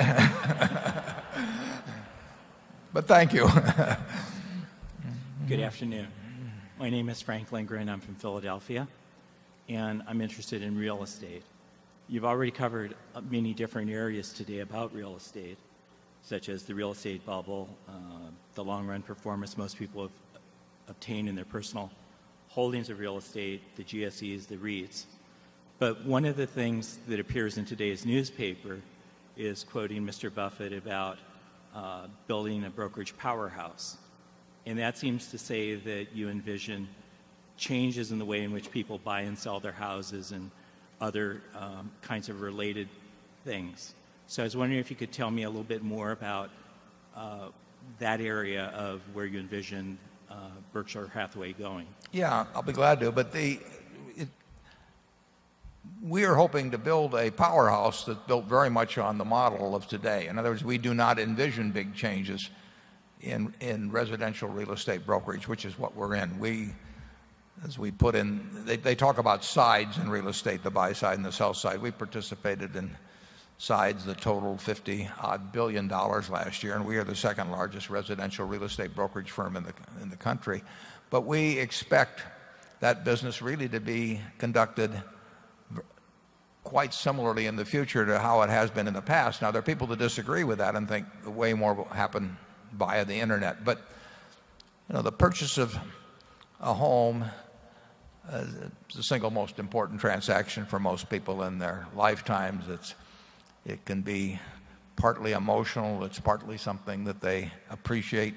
But thank you. Good afternoon. My name is Franklin Gren. I'm from Philadelphia. And I'm interested in real estate. You've already covered many different areas today about real estate, such as the real estate bubble, the long run performance most people have obtained in their personal holdings of real estate, the GSEs, the REITs. But one of the things that appears in today's newspaper is quoting Mr. Buffet about building a brokerage powerhouse. And that seems to say that you envision changes in the way in which people buy and sell their houses and other kinds of related things. So I was wondering if you could tell me a little bit more about that area of where you envision Berkshire Hathaway going? Yes, I'll be glad to. But the we are hoping to build a powerhouse that built very much on the model of today. In other words, we do not envision big changes in residential real estate brokerage, which is what we're in. We as we put in they talk about sides in real estate, the buy side and the sell side. We participated in sides that totaled $50 odd 1,000,000,000 last year and we are the 2nd residential real estate brokerage firm in the country. But we expect that business really to be conducted quite similarly in the future to how it has been in the past. Now there are people that disagree with that and think the way more will happen via the internet. But you know the purchase of a home is the single most important transaction for most people in their lifetimes. It's it can be partly emotional. It's partly something that they appreciate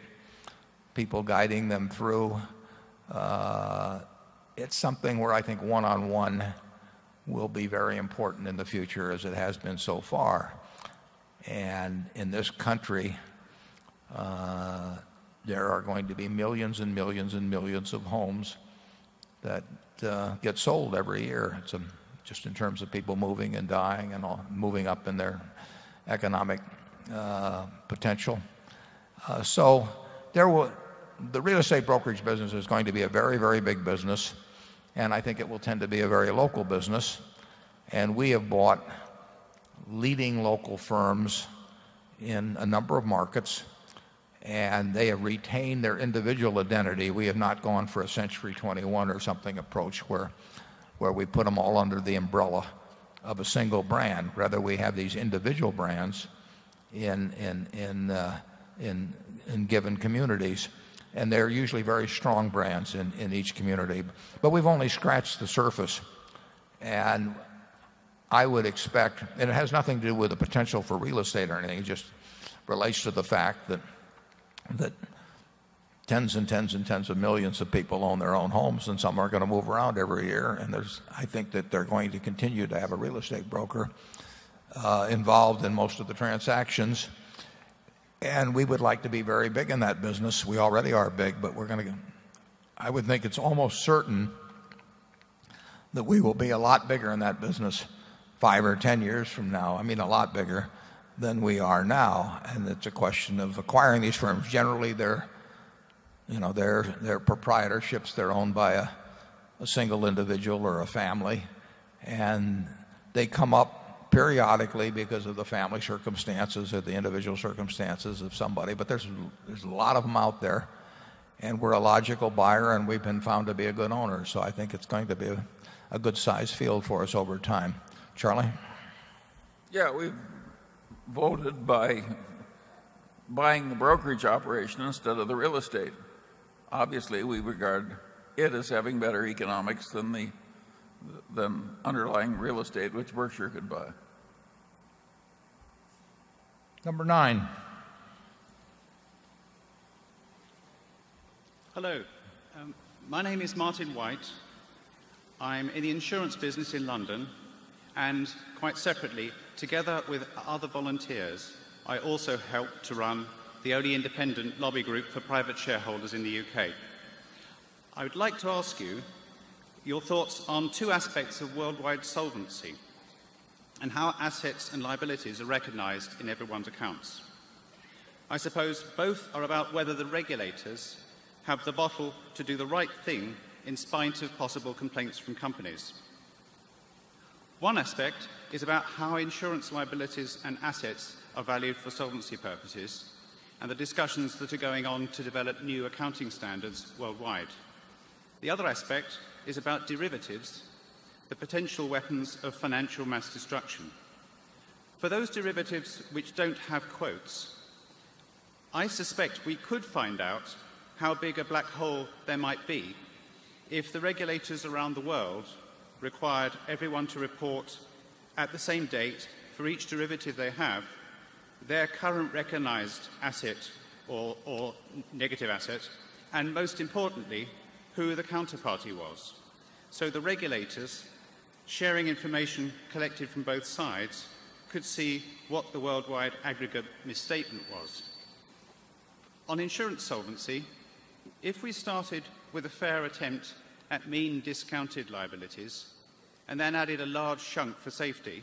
people guiding them through. It's something where I think 1 on 1 will be very important in the future as it has been so far. And in this country, there are going to be 1,000,000 and 1,000,000 and 1,000,000 of homes that get sold every year just in terms of people moving and dying and moving up in their economic potential. So there will the real estate brokerage business is going to be a very, very big business and I think it will tend to be a very local business. And we have bought leading local firms in a number of markets and they have retained their individual identity. We have not gone for a Century 21 or something approach where we put them all under the umbrella of a single brand. Rather we have these individual brands in given communities. And they're usually very strong brands in each community. But we've only scratched the surface. And I would expect, and it has nothing to do with the potential for real estate or anything, it just relates to the fact that tens and tens and tens of millions of people own their own homes and some are going to move around every year. And there's I think that they're going to continue to have a real estate broker involved in most of the transactions. And we would like to be very big in that business. We already are big, but we're going to I would think it's almost certain that we will be a lot bigger in that business 5 or 10 years from now. I mean, a lot bigger than we are now. And it's a question of acquiring these firms. Generally they're proprietorships, they're owned by a single individual or a family. And they come up periodically because of the family circumstances or the individual circumstances of somebody. But there's there's a lot of them out there and we're a logical buyer and we've been found to be a good owner. So I think it's going to be a good sized field for us over time. Charlie? Yeah. We voted by buying the brokerage operation instead of the real estate. Obviously, we regard it as having better economics than the underlying real estate which Berkshire could buy. Number 9. Hello. My name is Martin White. I'm in the insurance business in London, and quite separately, together with other volunteers, I also help to run the only independent lobby group for private shareholders in the UK. I would like to ask you your thoughts on 2 aspects of worldwide solvency and how assets and liabilities are recognized in everyone's accounts. I suppose both are about whether the regulators have the bottle to do the right thing in spite of possible complaints from companies. One aspect is about how insurance liabilities and assets are valued for solvency purposes and the discussions that are going on to develop new accounting standards worldwide. The other aspect is about derivatives, the potential weapons of financial mass destruction. For those derivatives which don't have quotes, I suspect we could find out how big a black hole there might be if the regulators around the world required everyone to report at the same date for each derivative they have their current recognized asset or negative asset, and most importantly, who the counterparty was. So the regulators, sharing information collected from both sides, could see what the worldwide aggregate misstatement was. On insurance solvency, if we started with a fair attempt at mean discounted liabilities and then added a large chunk for safety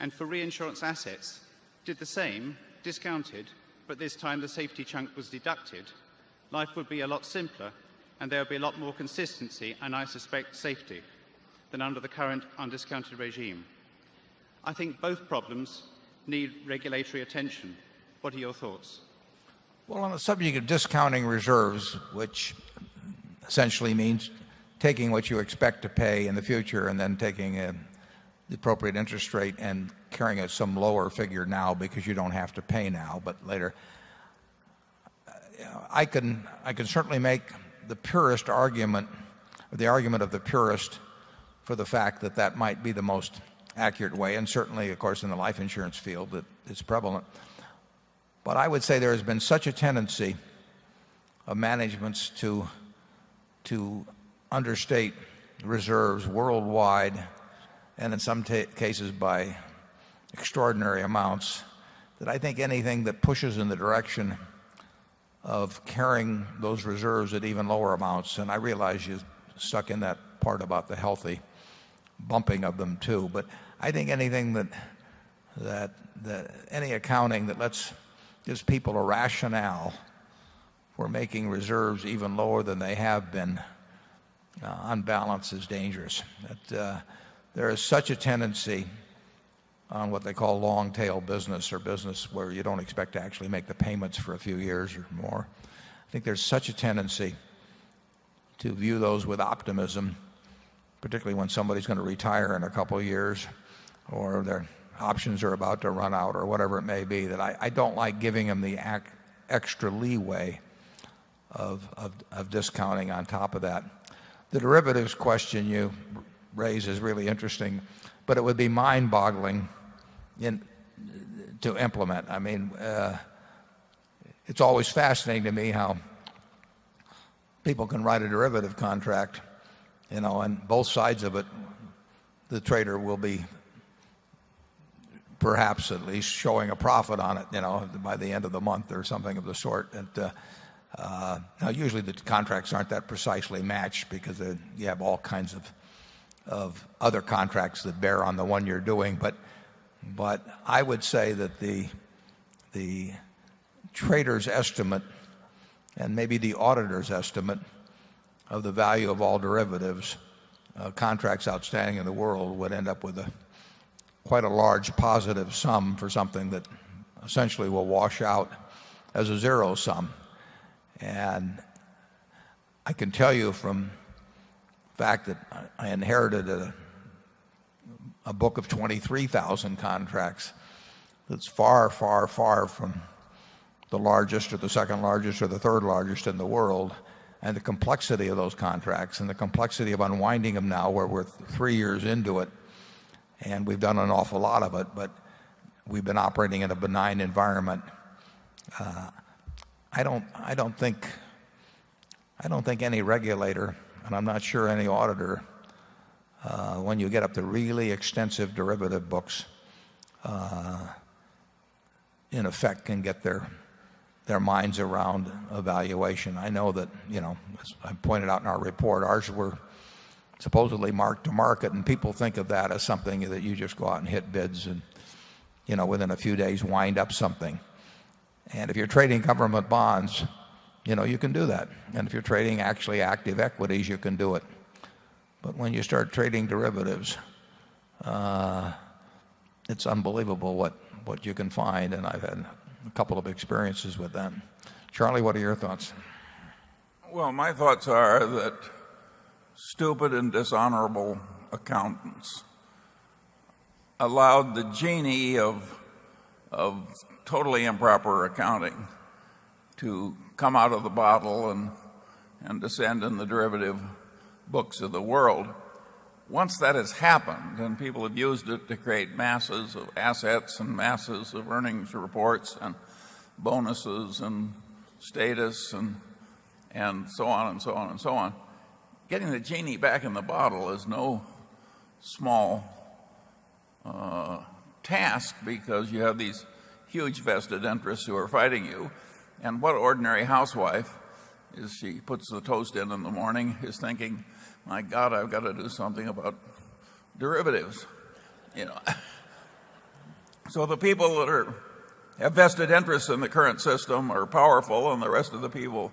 and for reinsurance assets, did the same, discounted, but this time the safety chunk was deducted. Life would be a lot simpler, and there would be a lot more consistency and, I suspect, safety than under the current undiscounted regime. I think both problems need regulatory attention. What are your thoughts? Well, on the subject of discounting reserves, which essentially means taking what you expect to pay in the future and then taking the appropriate interest rate and carrying at some lower figure now because you don't have to pay now, but later. I can certainly make the purest argument, the argument of the purest for the fact that that might be the most accurate way. And certainly, of course, in the life insurance field that it's prevalent. But I would say there has been such a tendency of managements to understate reserves worldwide and in some cases by extraordinary amounts that I think anything that pushes in the direction of carrying those reserves at even lower amounts, and I realize you're suck in that part about the healthy bumping of them too. But I think anything that that any accounting that lets gives people a rationale for making reserves even lower than they have been, unbalanced is dangerous. That there is such a tendency on what they call long tail business or business where you don't expect to actually make the payments for a few years or more. I think there's such a tendency to view those with optimism, particularly when somebody is going to retire in a couple of years or their options are about to run out or whatever it may be, that I don't like giving them the extra leeway of discounting on top of that. The derivatives question you raised is really interesting, but it would be mind boggling in to implement. I mean, it's always fascinating to me how people can write a derivative contract you know and both sides of it the trader will be perhaps at least showing a profit on it by the end of the month or something of the sort. And usually the contracts aren't that precisely matched because you have all kinds of other contracts that bear on the one you're doing. But I would say that the traders estimate and maybe the auditors estimate of the value of all derivatives contracts outstanding in the world would end up with quite a large positive sum for something that essentially will wash out as a zero sum. And I can tell you from the fact that I inherited a book of 23,000 contracts that's far, far, far from the largest or the 2nd largest or the 3rd largest in the world. And the complexity of those contracts and the complexity of unwinding them now, we're 3 years into it and we've done an awful lot of it, but we've been operating in a benign environment. I don't think any regulator and I'm not sure any auditor, when you get up to really extensive derivative books, in effect can get their minds around evaluation. I know that as I pointed out in our report, ours were supposedly mark to market and people think of that as something that you just go out and hit bids and within a few days wind up something. And if you're trading government bonds, you can do that. And if you're trading actually active equities, you can do it. But when you start trading derivatives, it's unbelievable what what you can find. And I've had a couple of experiences with that. Charlie, what are your thoughts? Well, my thoughts are that stupid and dishonorable accountants allowed the genie of totally improper accounting to come out of the bottle and descend in the derivative books of the world. Once that has happened and people have used it to create masses of assets and masses of earnings reports and bonuses and status and so on and so on and so on. Getting the genie back in the bottle is no small task because you have these huge vested interests who are fighting you. And what ordinary housewife is she puts the toast in in the morning is thinking, my god, I've got to do something about derivatives. So the people that are have vested interests in the current system are powerful and the rest of the people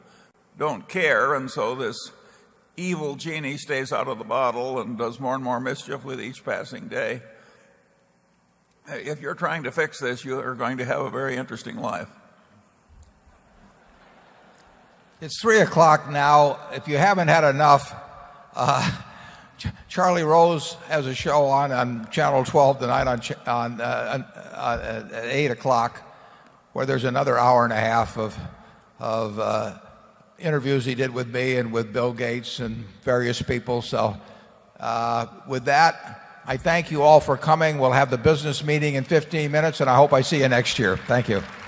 don't care and so this evil genie stays out of the bottle and does more and more mischief with each passing day. If you're trying to fix this, you are going to have a very interesting life. It's 3 o'clock now. If you haven't had enough, Charlie Rose has a show on Channel 12 tonight on at 8 o'clock where there's another hour and a half of interviews he did with me and with Bill Gates and various people. So with that, I thank you all for coming. We'll have the business meeting in 15 minutes, and I hope I see you next year. Thank you. Bye.